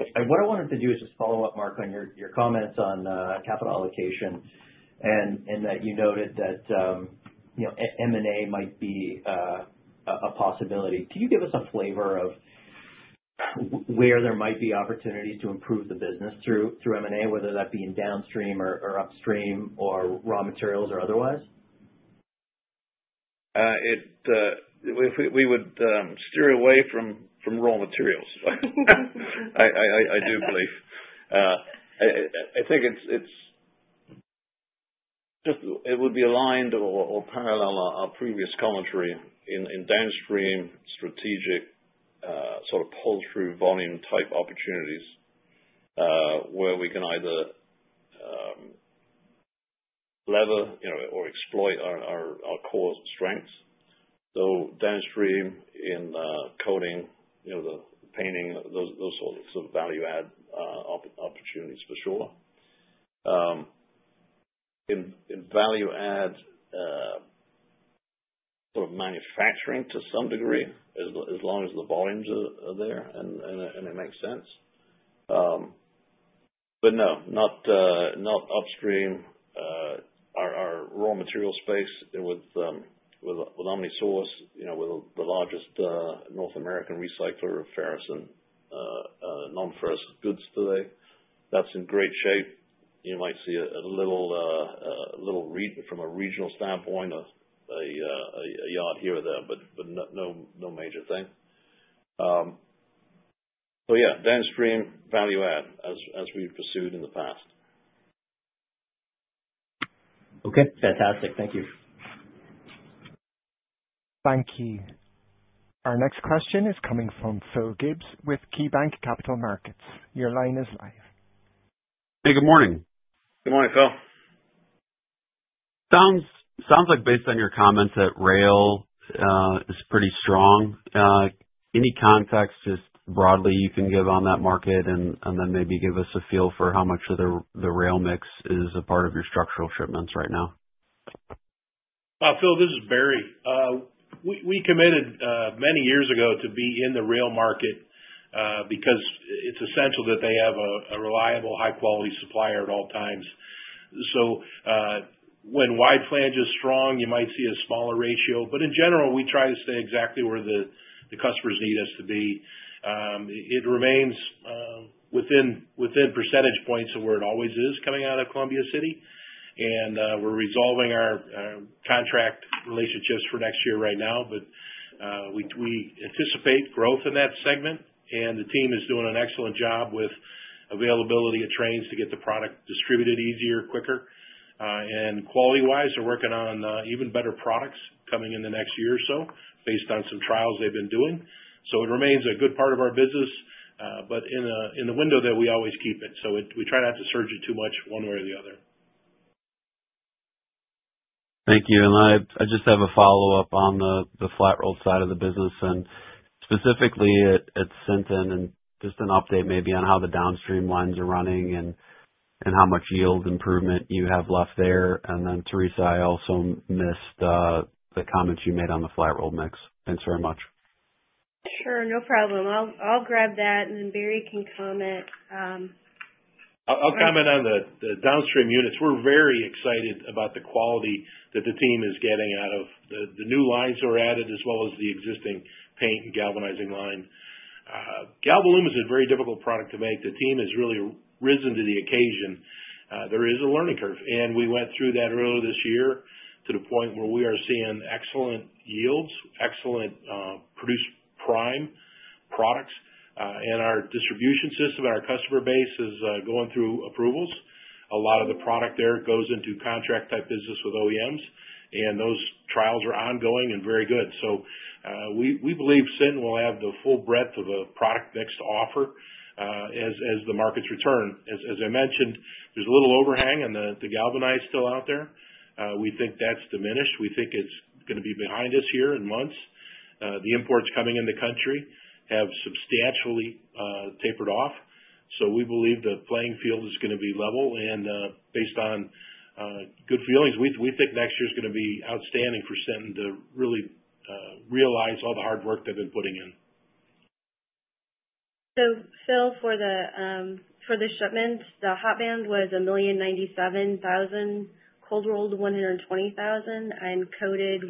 I wanted to do is just follow up, Mark, on your comments on capital allocation and that you noted that M&A might be a possibility. Can you give us a flavor of where there might be opportunities to improve the business through M&A, whether that be in downstream or upstream or raw materials or otherwise? We would steer away from raw materials, I do believe. I think it would be aligned or parallel to our previous commentary in downstream strategic sort of pull-through volume type opportunities where we can either lever or exploit our core strengths. So downstream in coating, the painting, those sorts of value-add opportunities for sure. In value-add sort of manufacturing to some degree, as long as the volumes are there and it makes sense. But no, not upstream. Our raw material space with OmniSource, with the largest North American recycler of non-ferrous goods today, that's in great shape. You might see a little red from a regional standpoint, a yard here or there, but no major thing. So yeah, downstream value-add as we've pursued in the past. Okay. Fantastic. Thank you. Thank you. Our next question is coming from Phil Gibbs with Keybanc Capital Markets.Your line is live. Hey, good morning. Good morning, Phil. Sounds like based on your comments that rail is pretty strong. Any context just broadly you can give on that market and then maybe give us a feel for how much of the rail mix is a part of your structural shipments right now? Phil, this is Barry. We committed many years ago to be in the rail market because it's essential that they have a reliable, high-quality supplier at all times. So when wide flange is strong, you might see a smaller ratio. But in general, we try to stay exactly where the customers need us to be. It remains within percentage points of where it always is coming out of Columbia City. And we're resolving our contract relationships for next year right now, but we anticipate growth in that segment. And the team is doing an excellent job with availability of trains to get the product distributed easier, quicker. And quality-wise, they're working on even better products coming in the next year or so based on some trials they've been doing. So it remains a good part of our business, but in the window that we always keep it. So we try not to surge it too much one way or the other. Thank you. And I just have a follow-up on the flat roll side of the business. And specifically, at Sinton and just an update maybe on how the downstream lines are running and how much yield improvement you have left there. And then Theresa, I also missed the comments you made on the flat roll mix. Thanks very much. Sure. No problem. I'll grab that, and then Barry can comment. I'll comment on the downstream units. We're very excited about the quality that the team is getting out of the new lines that were added as well as the existing paint and galvanizing line. Galvalume is a very difficult product to make. The team has really risen to the occasion. There is a learning curve, and we went through that early this year to the point where we are seeing excellent yields, excellent production prime products, and our distribution system and our customer base is going through approvals. A lot of the product there goes into contract type business with OEMs, and those trials are ongoing and very good, so we believe Sinton will have the full breadth of a product mix to offer as the markets return. As I mentioned, there's a little overhang on the galvanized steel still out there. We think that's diminished. We think it's going to be behind us here in months. The imports coming into the country have substantially tapered off. So we believe the playing field is going to be level. And based on good feelings, we think next year is going to be outstanding for Sinton to really realize all the hard work they've been putting in. So Phil, for the shipment, the hot band was 1,097,000, cold rolled 120,000, and coated 1,486,000.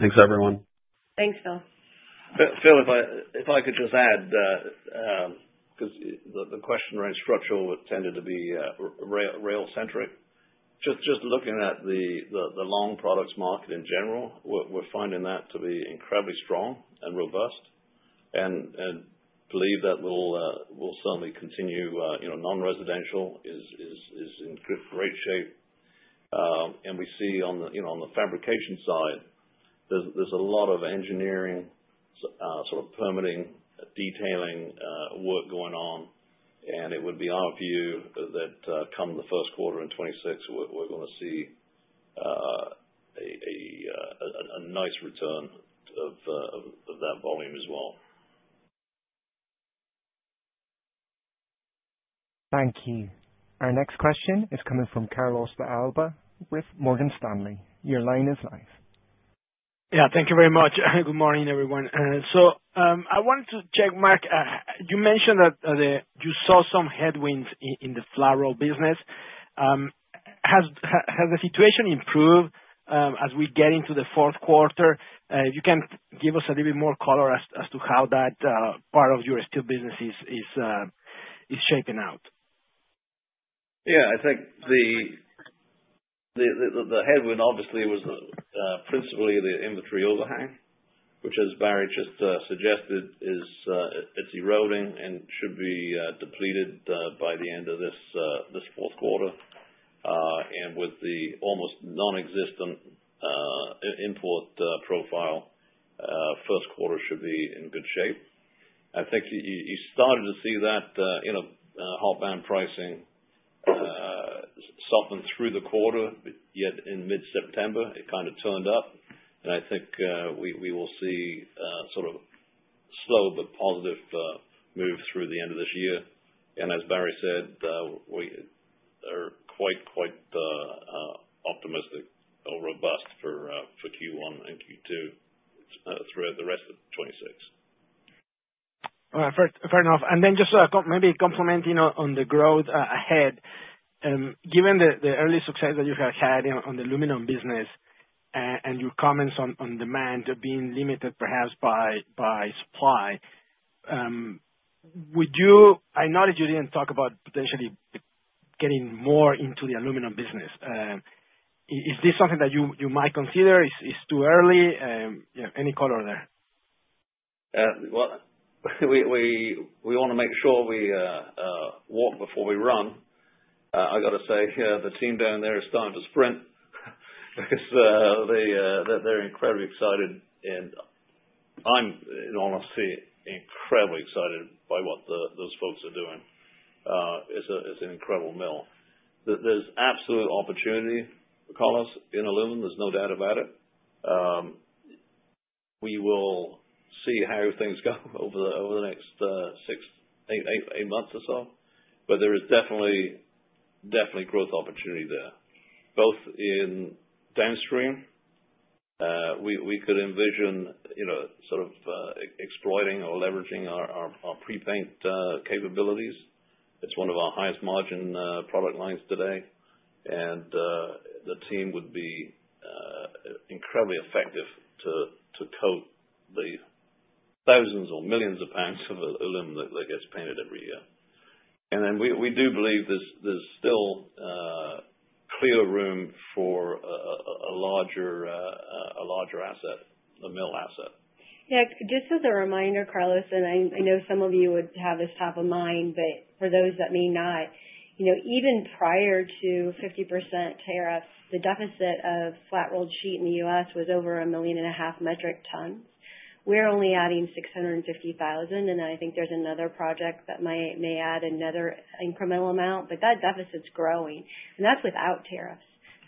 Thanks, everyone. Thanks, Phil. Phil, if I could just add, because the question around structural tended to be rail-centric, just looking at the long products market in general, we're finding that to be incredibly strong and robust. And I believe that will certainly continue. Non-residential is in great shape. And we see on the fabrication side, there's a lot of engineering, sort of permitting, detailing work going on. And it would be our view that come the first quarter in 2026, we're going to see a nice return of that volume as well. Thank you. Our next question is coming from Carlos de Alba with Morgan Stanley. Your line is live. Yeah. Thank you very much. Good morning, everyone. So I wanted to check, Mark, you mentioned that you saw some headwinds in the flat roll business. Has the situation improved as we get into the fourth quarter? If you can give us a little bit more color as to how that part of your steel business is shaping out. Yeah. I think the headwind, obviously, was principally the inventory overhang, which, as Barry just suggested, is eroding and should be depleted by the end of this fourth quarter. And with the almost non-existent import profile, first quarter should be in good shape. I think you started to see that hot band pricing soften through the quarter, yet in mid-September, it kind of turned up, and I think we will see sort of slow but positive moves through the end of this year, and as Barry said, we are quite, quite optimistic or robust for Q1 and Q2 throughout the rest of 2026. All right. Fair enough, and then just maybe commenting on the growth ahead, given the early success that you have had on the aluminum business and your comments on demand being limited perhaps by supply, I know that you didn't talk about potentially getting more into the aluminum business. Is this something that you might consider? Is it too early? Any color there? Well, we want to make sure we walk before we run. I got to say, the team down there is starting to sprint because they're incredibly excited. And I'm, in all honesty, incredibly excited by what those folks are doing. It's an incredible mill. There's absolute opportunity for colors in aluminum. There's no doubt about it. We will see how things go over the next six to eight months or so. But there is definitely growth opportunity there, both in downstream. We could envision sort of exploiting or leveraging our prepaint capabilities. It's one of our highest margin product lines today. And the team would be incredibly effective to coat the thousands or millions of pounds of aluminum that gets painted every year. And then we do believe there's still clear room for a larger asset, a mill asset. Yeah. Just as a reminder, Carlos, and I know some of you would have this top of mind, but for those that may not, even prior to 50% tariffs, the deficit of flat rolled sheet in the U.S. was over 1.5 million metric tons. We're only adding 650,000. And then I think there's another project that may add another incremental amount. But that deficit's growing. And that's without tariffs.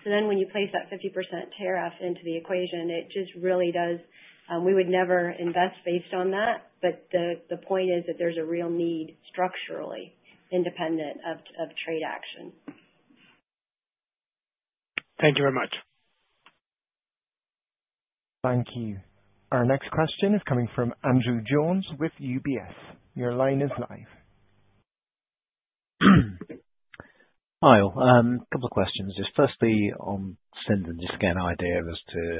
So then when you place that 50% tariff into the equation, it just really does we would never invest based on that. But the point is that there's a real need structurally independent of trade action. Thank you very much. Thank you. Our next question is coming from Andrew Jones with UBS. Your line is live. Hi. A couple of questions. Firstly, on Sinton, just to get an idea as to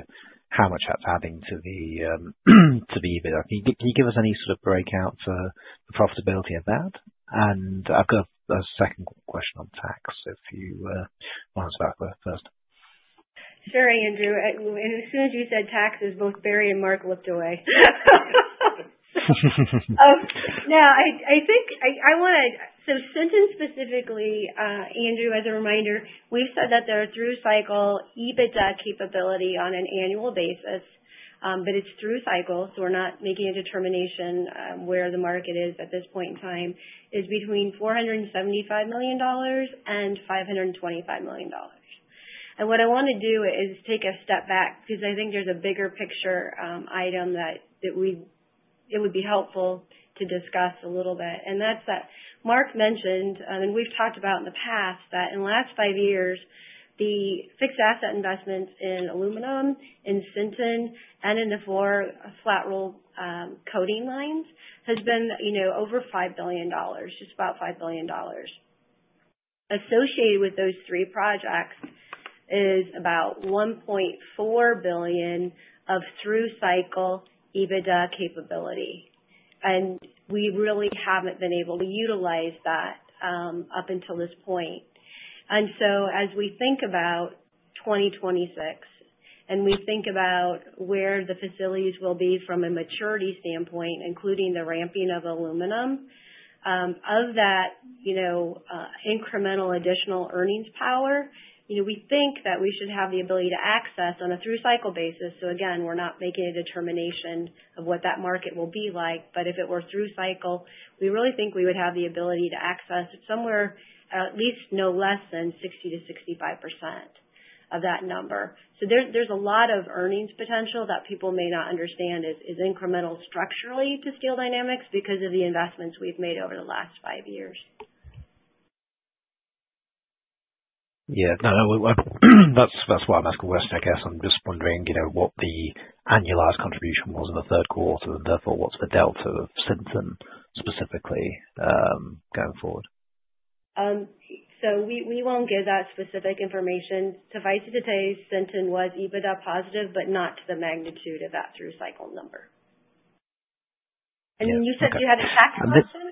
how much that's adding to the EBITDA. Can you give us any sort of breakout for profitability of that? And I've got a second question on tax. If you want to start with that first. Sure, Andrew. And as soon as you said taxes, both Barry and Mark looked away. No, I think I want to. So Sinton specifically, Andrew, as a reminder, we've said that their through-cycle EBITDA capability on an annual basis, but it's through-cycle, so we're not making a determination where the market is at this point in time, is between $475 million and $525 million. And what I want to do is take a step back because I think there's a bigger picture item that it would be helpful to discuss a little bit. And that's what Mark mentioned, and we've talked about in the past that in the last five years, the fixed asset investments in aluminum, in Sinton, and in the four flat roll coating lines has been over $5 billion, just about $5 billion. Associated with those three projects is about $1.4 billion of through-cycle EBITDA capability. And we really haven't been able to utilize that up until this point. And so as we think about 2026 and we think about where the facilities will be from a maturity standpoint, including the ramping of aluminum, of that incremental additional earnings power, we think that we should have the ability to access on a through-cycle basis. So again, we're not making a determination of what that market will be like. But if it were through-cycle, we really think we would have the ability to access somewhere at least no less than 60%-65% of that number. So there's a lot of earnings potential that people may not understand is incremental structurally to Steel Dynamics because of the investments we've made over the last five years. Yeah. No, that's why I'm asking Theresa, I guess. I'm just wondering what the annualized contribution was in the third quarter, and therefore, what's the delta of Sinton specifically going forward? So we won't give that specific information. Suffice to say, Sinton was EBITDA positive, but not to the magnitude of that through-cycle number. And you said you had a tax question?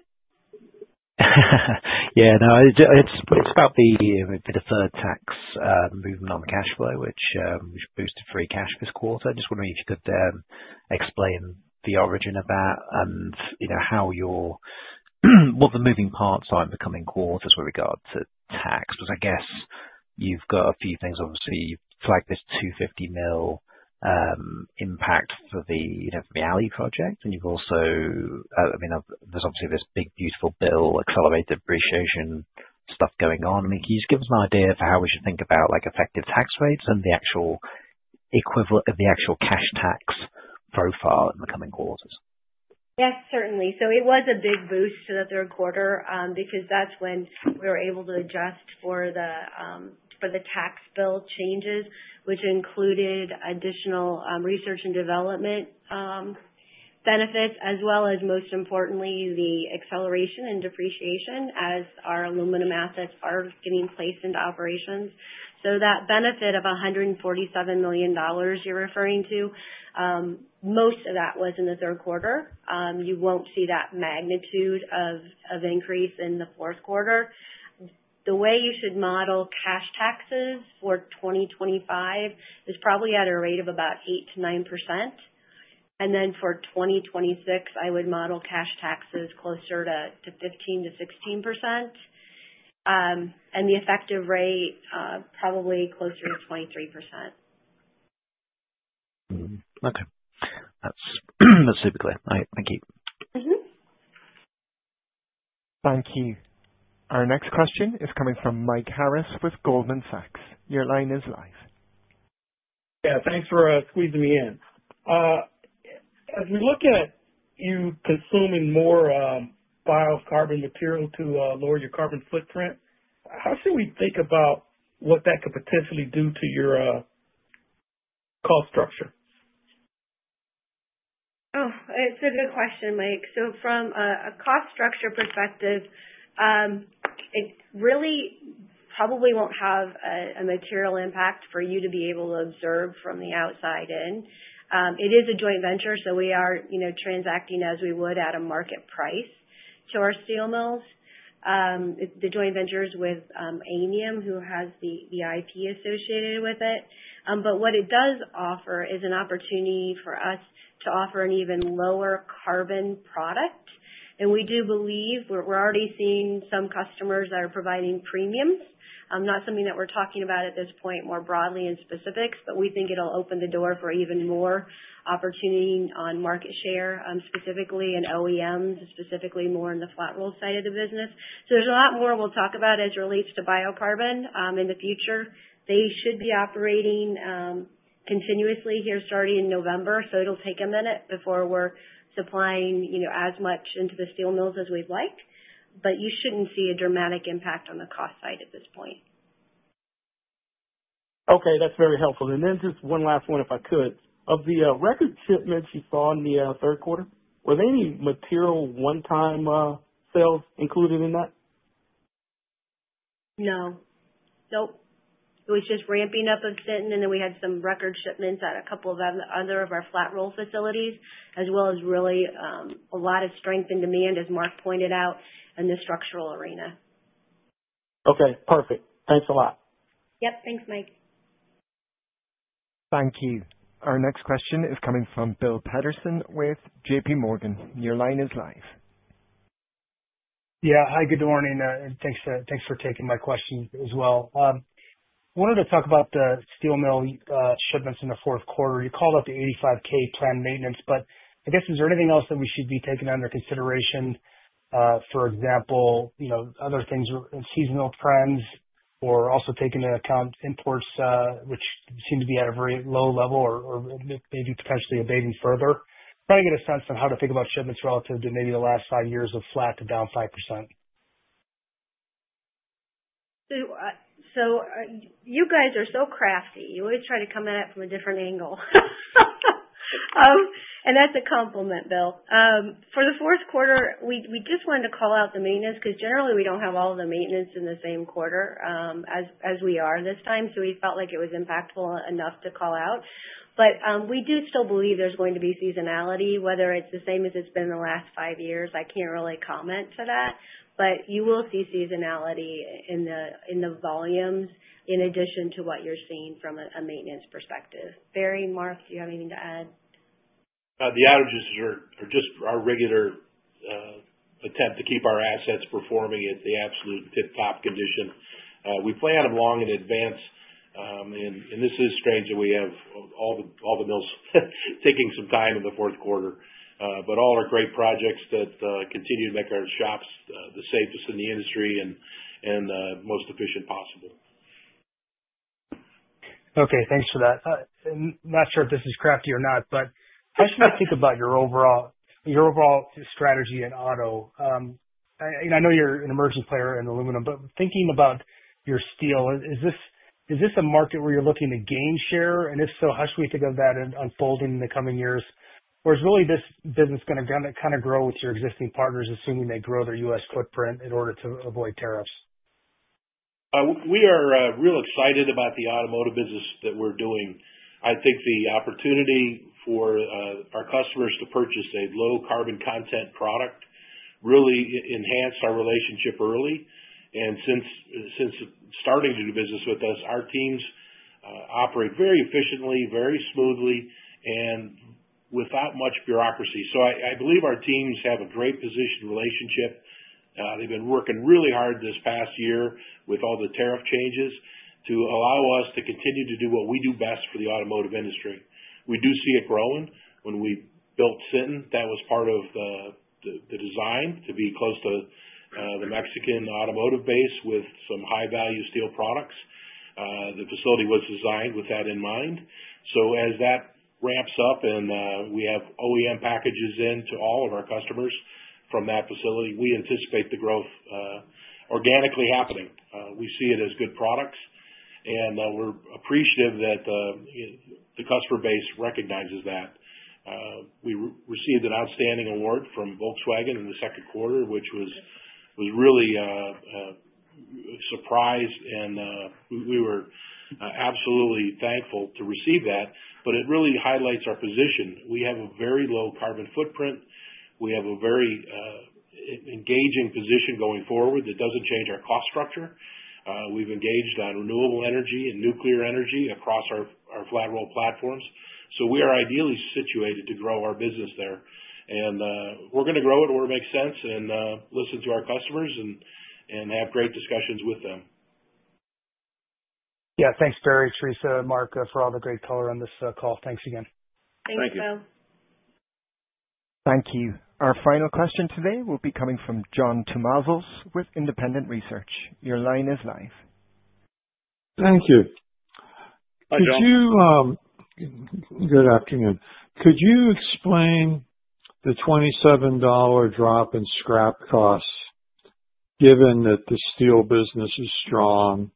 Yeah. No, it's about the benefit of the tax movement on the cash flow, which boosted free cash this quarter. Just wondering if you could explain the origin of that and what the moving parts are in the coming quarters with regard to tax. Because I guess you've got a few things. Obviously, you flagged this $250 million impact for the aluminum project. And you've also, I mean, there's obviously this big, beautiful bill, accelerated depreciation stuff going on. I mean, can you just give us an idea for how we should think about effective tax rates and the actual cash tax profile in the coming quarters? Yes, certainly. So it was a big boost to the third quarter because that's when we were able to adjust for the tax bill changes, which included additional research and development benefits, as well as, most importantly, the accelerated depreciation as our aluminum assets are getting placed into operations. So that benefit of $147 million you're referring to, most of that was in the third quarter. You won't see that magnitude of increase in the fourth quarter. The way you should model cash taxes for 2025 is probably at a rate of about 8-9%. And then for 2026, I would model cash taxes closer to 15-16%. And the effective rate probably closer to 23%. Okay. That's super clear. All right. Thank you. Thank you. Our next question is coming from Mike Harris with Goldman Sachs. Your line is live. Yeah. Thanks for squeezing me in. As we look at you consuming more biocarbon material to lower your carbon footprint, how should we think about what that could potentially do to your cost structure? Oh, it's a good question, Mike. So from a cost structure perspective, it really probably won't have a material impact for you to be able to observe from the outside in. It is a joint venture, so we are transacting as we would at a market price to our steel mills. It's the joint ventures with Aymium, who has the IP associated with it. But what it does offer is an opportunity for us to offer an even lower carbon product. And we do believe we're already seeing some customers that are providing premiums. Not something that we're talking about at this point more broadly in specifics, but we think it'll open the door for even more opportunity on market share, specifically in OEMs, specifically more in the flat roll side of the business. So there's a lot more we'll talk about as it relates to biocarbon in the future. They should be operating continuously here starting in November. So it'll take a minute before we're supplying as much into the steel mills as we'd like. But you shouldn't see a dramatic impact on the cost side at this point. Okay. That's very helpful. And then just one last one, if I could. Of the record shipments you saw in the third quarter, were there any material one-time sales included in that? No. Nope. It was just ramping up in Sinton, and then we had some record shipments at a couple of other of our flat roll facilities, as well as really a lot of strength in demand, as Mark pointed out, in the structural arena. Okay. Perfect. Thanks a lot. Yep. Thanks, Mike. Thank you. Our next question is coming from Bill Peterson with JPMorgan. Your line is live. Yeah. Hi. Good morning. Thanks for taking my question as well. I wanted to talk about the steel mill shipments in the fourth quarter. You called up the 85K planned maintenance, but I guess is there anything else that we should be taking under consideration? For example, other things, seasonal trends, or also taking into account imports, which seem to be at a very low level or maybe potentially abating further? Trying to get a sense on how to think about shipments relative to maybe the last five years of flat to down 5%. So you guys are so crafty. You always try to come at it from a different angle. And that's a compliment, Bill. For the fourth quarter, we just wanted to call out the maintenance because generally, we don't have all of the maintenance in the same quarter as we are this time. So we felt like it was impactful enough to call out. But we do still believe there's going to be seasonality. Whether it's the same as it's been in the last five years, I can't really comment to that. But you will see seasonality in the volumes in addition to what you're seeing from a maintenance perspective. Barry, Mark, do you have anything to add? The outages are just our regular attempt to keep our assets performing at the absolute tip-top condition. We plan them long in advance. And this is strange that we have all the mills taking some time in the fourth quarter. But all are great projects that continue to make our shops the safest in the industry and most efficient possible. Okay. Thanks for that. Not sure if this is crafty or not, but how should we think about your overall strategy in auto? And I know you're an emerging player in aluminum, but thinking about your steel, is this a market where you're looking to gain share? And if so, how should we think of that unfolding in the coming years? Or is really this business going to kind of grow with your existing partners, assuming they grow their U.S. footprint in order to avoid tariffs? We are real excited about the automotive business that we're doing. I think the opportunity for our customers to purchase a low-carbon content product really enhanced our relationship early. And since starting to do business with us, our teams operate very efficiently, very smoothly, and without much bureaucracy. So I believe our teams have a great positioned relationship. They've been working really hard this past year with all the tariff changes to allow us to continue to do what we do best for the automotive industry. We do see it growing. When we built Sinton, that was part of the design to be close to the Mexican automotive base with some high-value steel products. The facility was designed with that in mind. So as that ramps up and we have OEM packages in to all of our customers from that facility, we anticipate the growth organically happening. We see it as good products. And we're appreciative that the customer base recognizes that. We received an outstanding award from Volkswagen in the second quarter, which was really a surprise. And we were absolutely thankful to receive that. But it really highlights our position. We have a very low carbon footprint. We have a very engaging position going forward that doesn't change our cost structure. We've engaged on renewable energy and nuclear energy across our flat roll platforms. So we are ideally situated to grow our business there. And we're going to grow it where it makes sense and listen to our customers and have great discussions with them. Yeah. Thanks, Barry, Theresa, and Mark for all the great color on this call. Thanks again. Thank you. Thank you. Our final question today will be coming from John Tumazos with Independent Research. Your line is live. Thank you. Hi, John. Good afternoon. Could you explain the $27 drop in scrap costs given that the steel business is strong,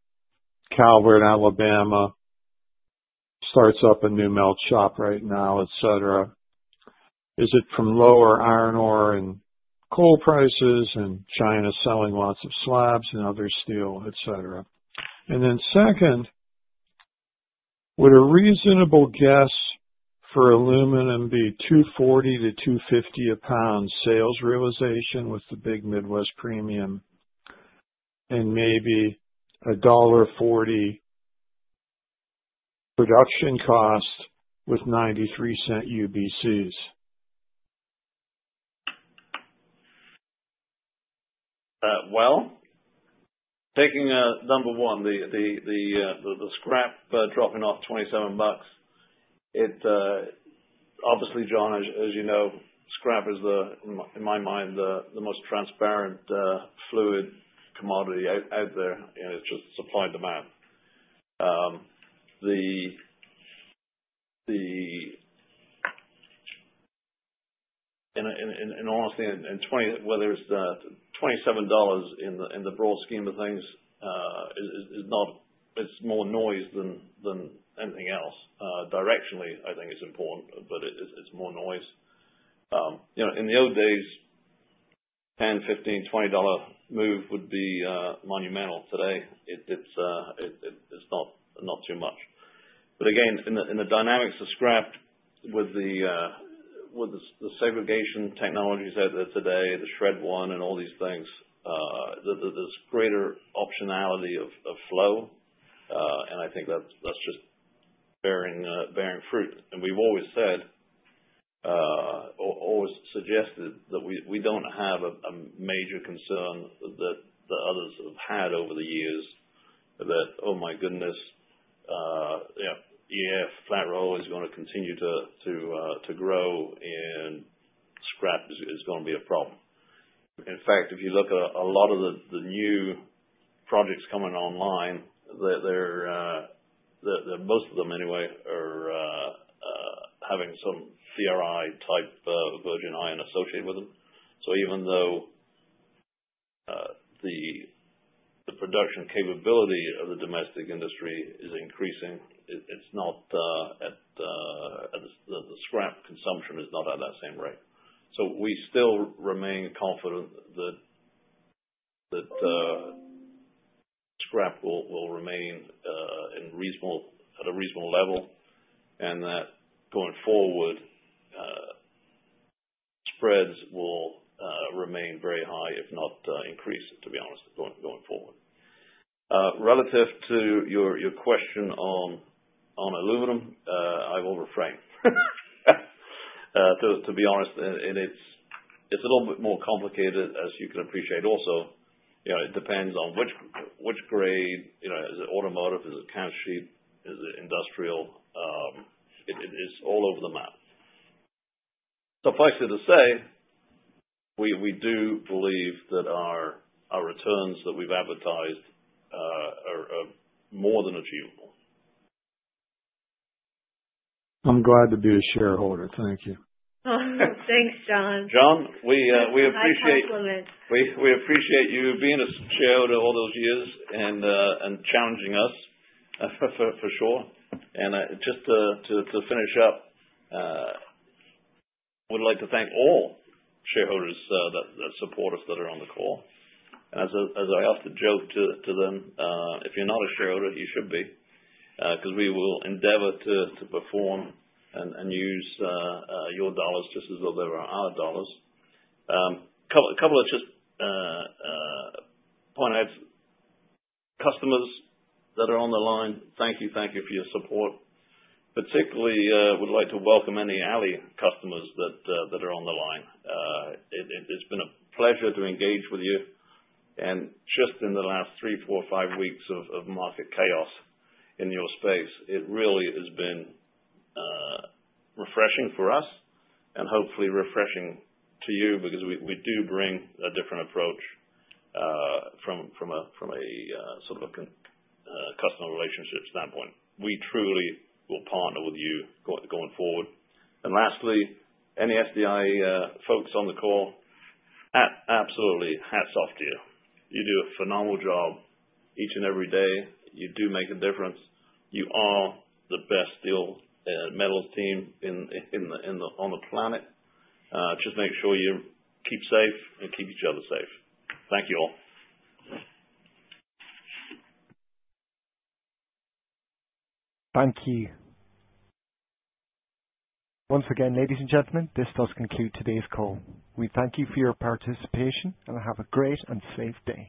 Calvert, Alabama starts up a new melt shop right now, etc.? Is it from lower iron ore and coal prices and China selling lots of slabs and other steel, etc.? And then second, would a reasonable guess for aluminum be 240-250 a pound sales realization with the big Midwest premium and maybe $1.40 production cost with $0.93 UBCs? Taking number one, the scrap dropping off $27, obviously, John, as you know, scrap is, in my mind, the most transparent fluid commodity out there. It's just supply and demand. And honestly, whether it's $27 in the broad scheme of things, it's more noise than anything else. Directionally, I think it's important, but it's more noise. In the old days, $10, $15, $20 dollar move would be monumental. Today, it's not too much. But again, in the dynamics of scrap, with the segregation technologies out there today, the Shred1, and all these things, there's greater optionality of flow. And I think that's just bearing fruit. And we've always said, always suggested that we don't have a major concern that others have had over the years that, "Oh my goodness, yeah, flat roll is going to continue to grow and scrap is going to be a problem." In fact, if you look at a lot of the new projects coming online, most of them anyway, are having some DRI-type virgin iron associated with them. So even though the production capability of the domestic industry is increasing, the scrap consumption is not at that same rate. So we still remain confident that scrap will remain at a reasonable level and that going forward, spreads will remain very high, if not increased, to be honest, going forward. Relative to your question on aluminum, I will refrain. To be honest, it's a little bit more complicated, as you can appreciate also. It depends on which grade. Is it automotive? Is it can sheet? Is it industrial? It's all over the map. Suffice it to say, we do believe that our returns that we've advertised are more than achievable. I'm glad to be a shareholder. Thank you. Thanks, John. John, we appreciate you being a shareholder all those years and challenging us, for sure. And just to finish up, I would like to thank all shareholders that support us that are on the call. And as I often joke to them, if you're not a shareholder, you should be, because we will endeavor to perform and use your dollars just as though they were our dollars. A couple of just point-outs. Customers that are on the line, thank you. Thank you for your support. Particularly, I would like to welcome any Ally customers that are on the line. It's been a pleasure to engage with you. And just in the last three, four, five weeks of market chaos in your space, it really has been refreshing for us and hopefully refreshing to you because we do bring a different approach from a sort of customer relationship standpoint. We truly will partner with you going forward. And lastly, any SDI folks on the call, absolutely hats off to you. You do a phenomenal job each and every day. You do make a difference. You are the best steel metals team on the planet. Just make sure you keep safe and keep each other safe. Thank you all. Thank you. Once again, ladies and gentlemen, this does conclude today's call. We thank you for your participation and have a great and safe day.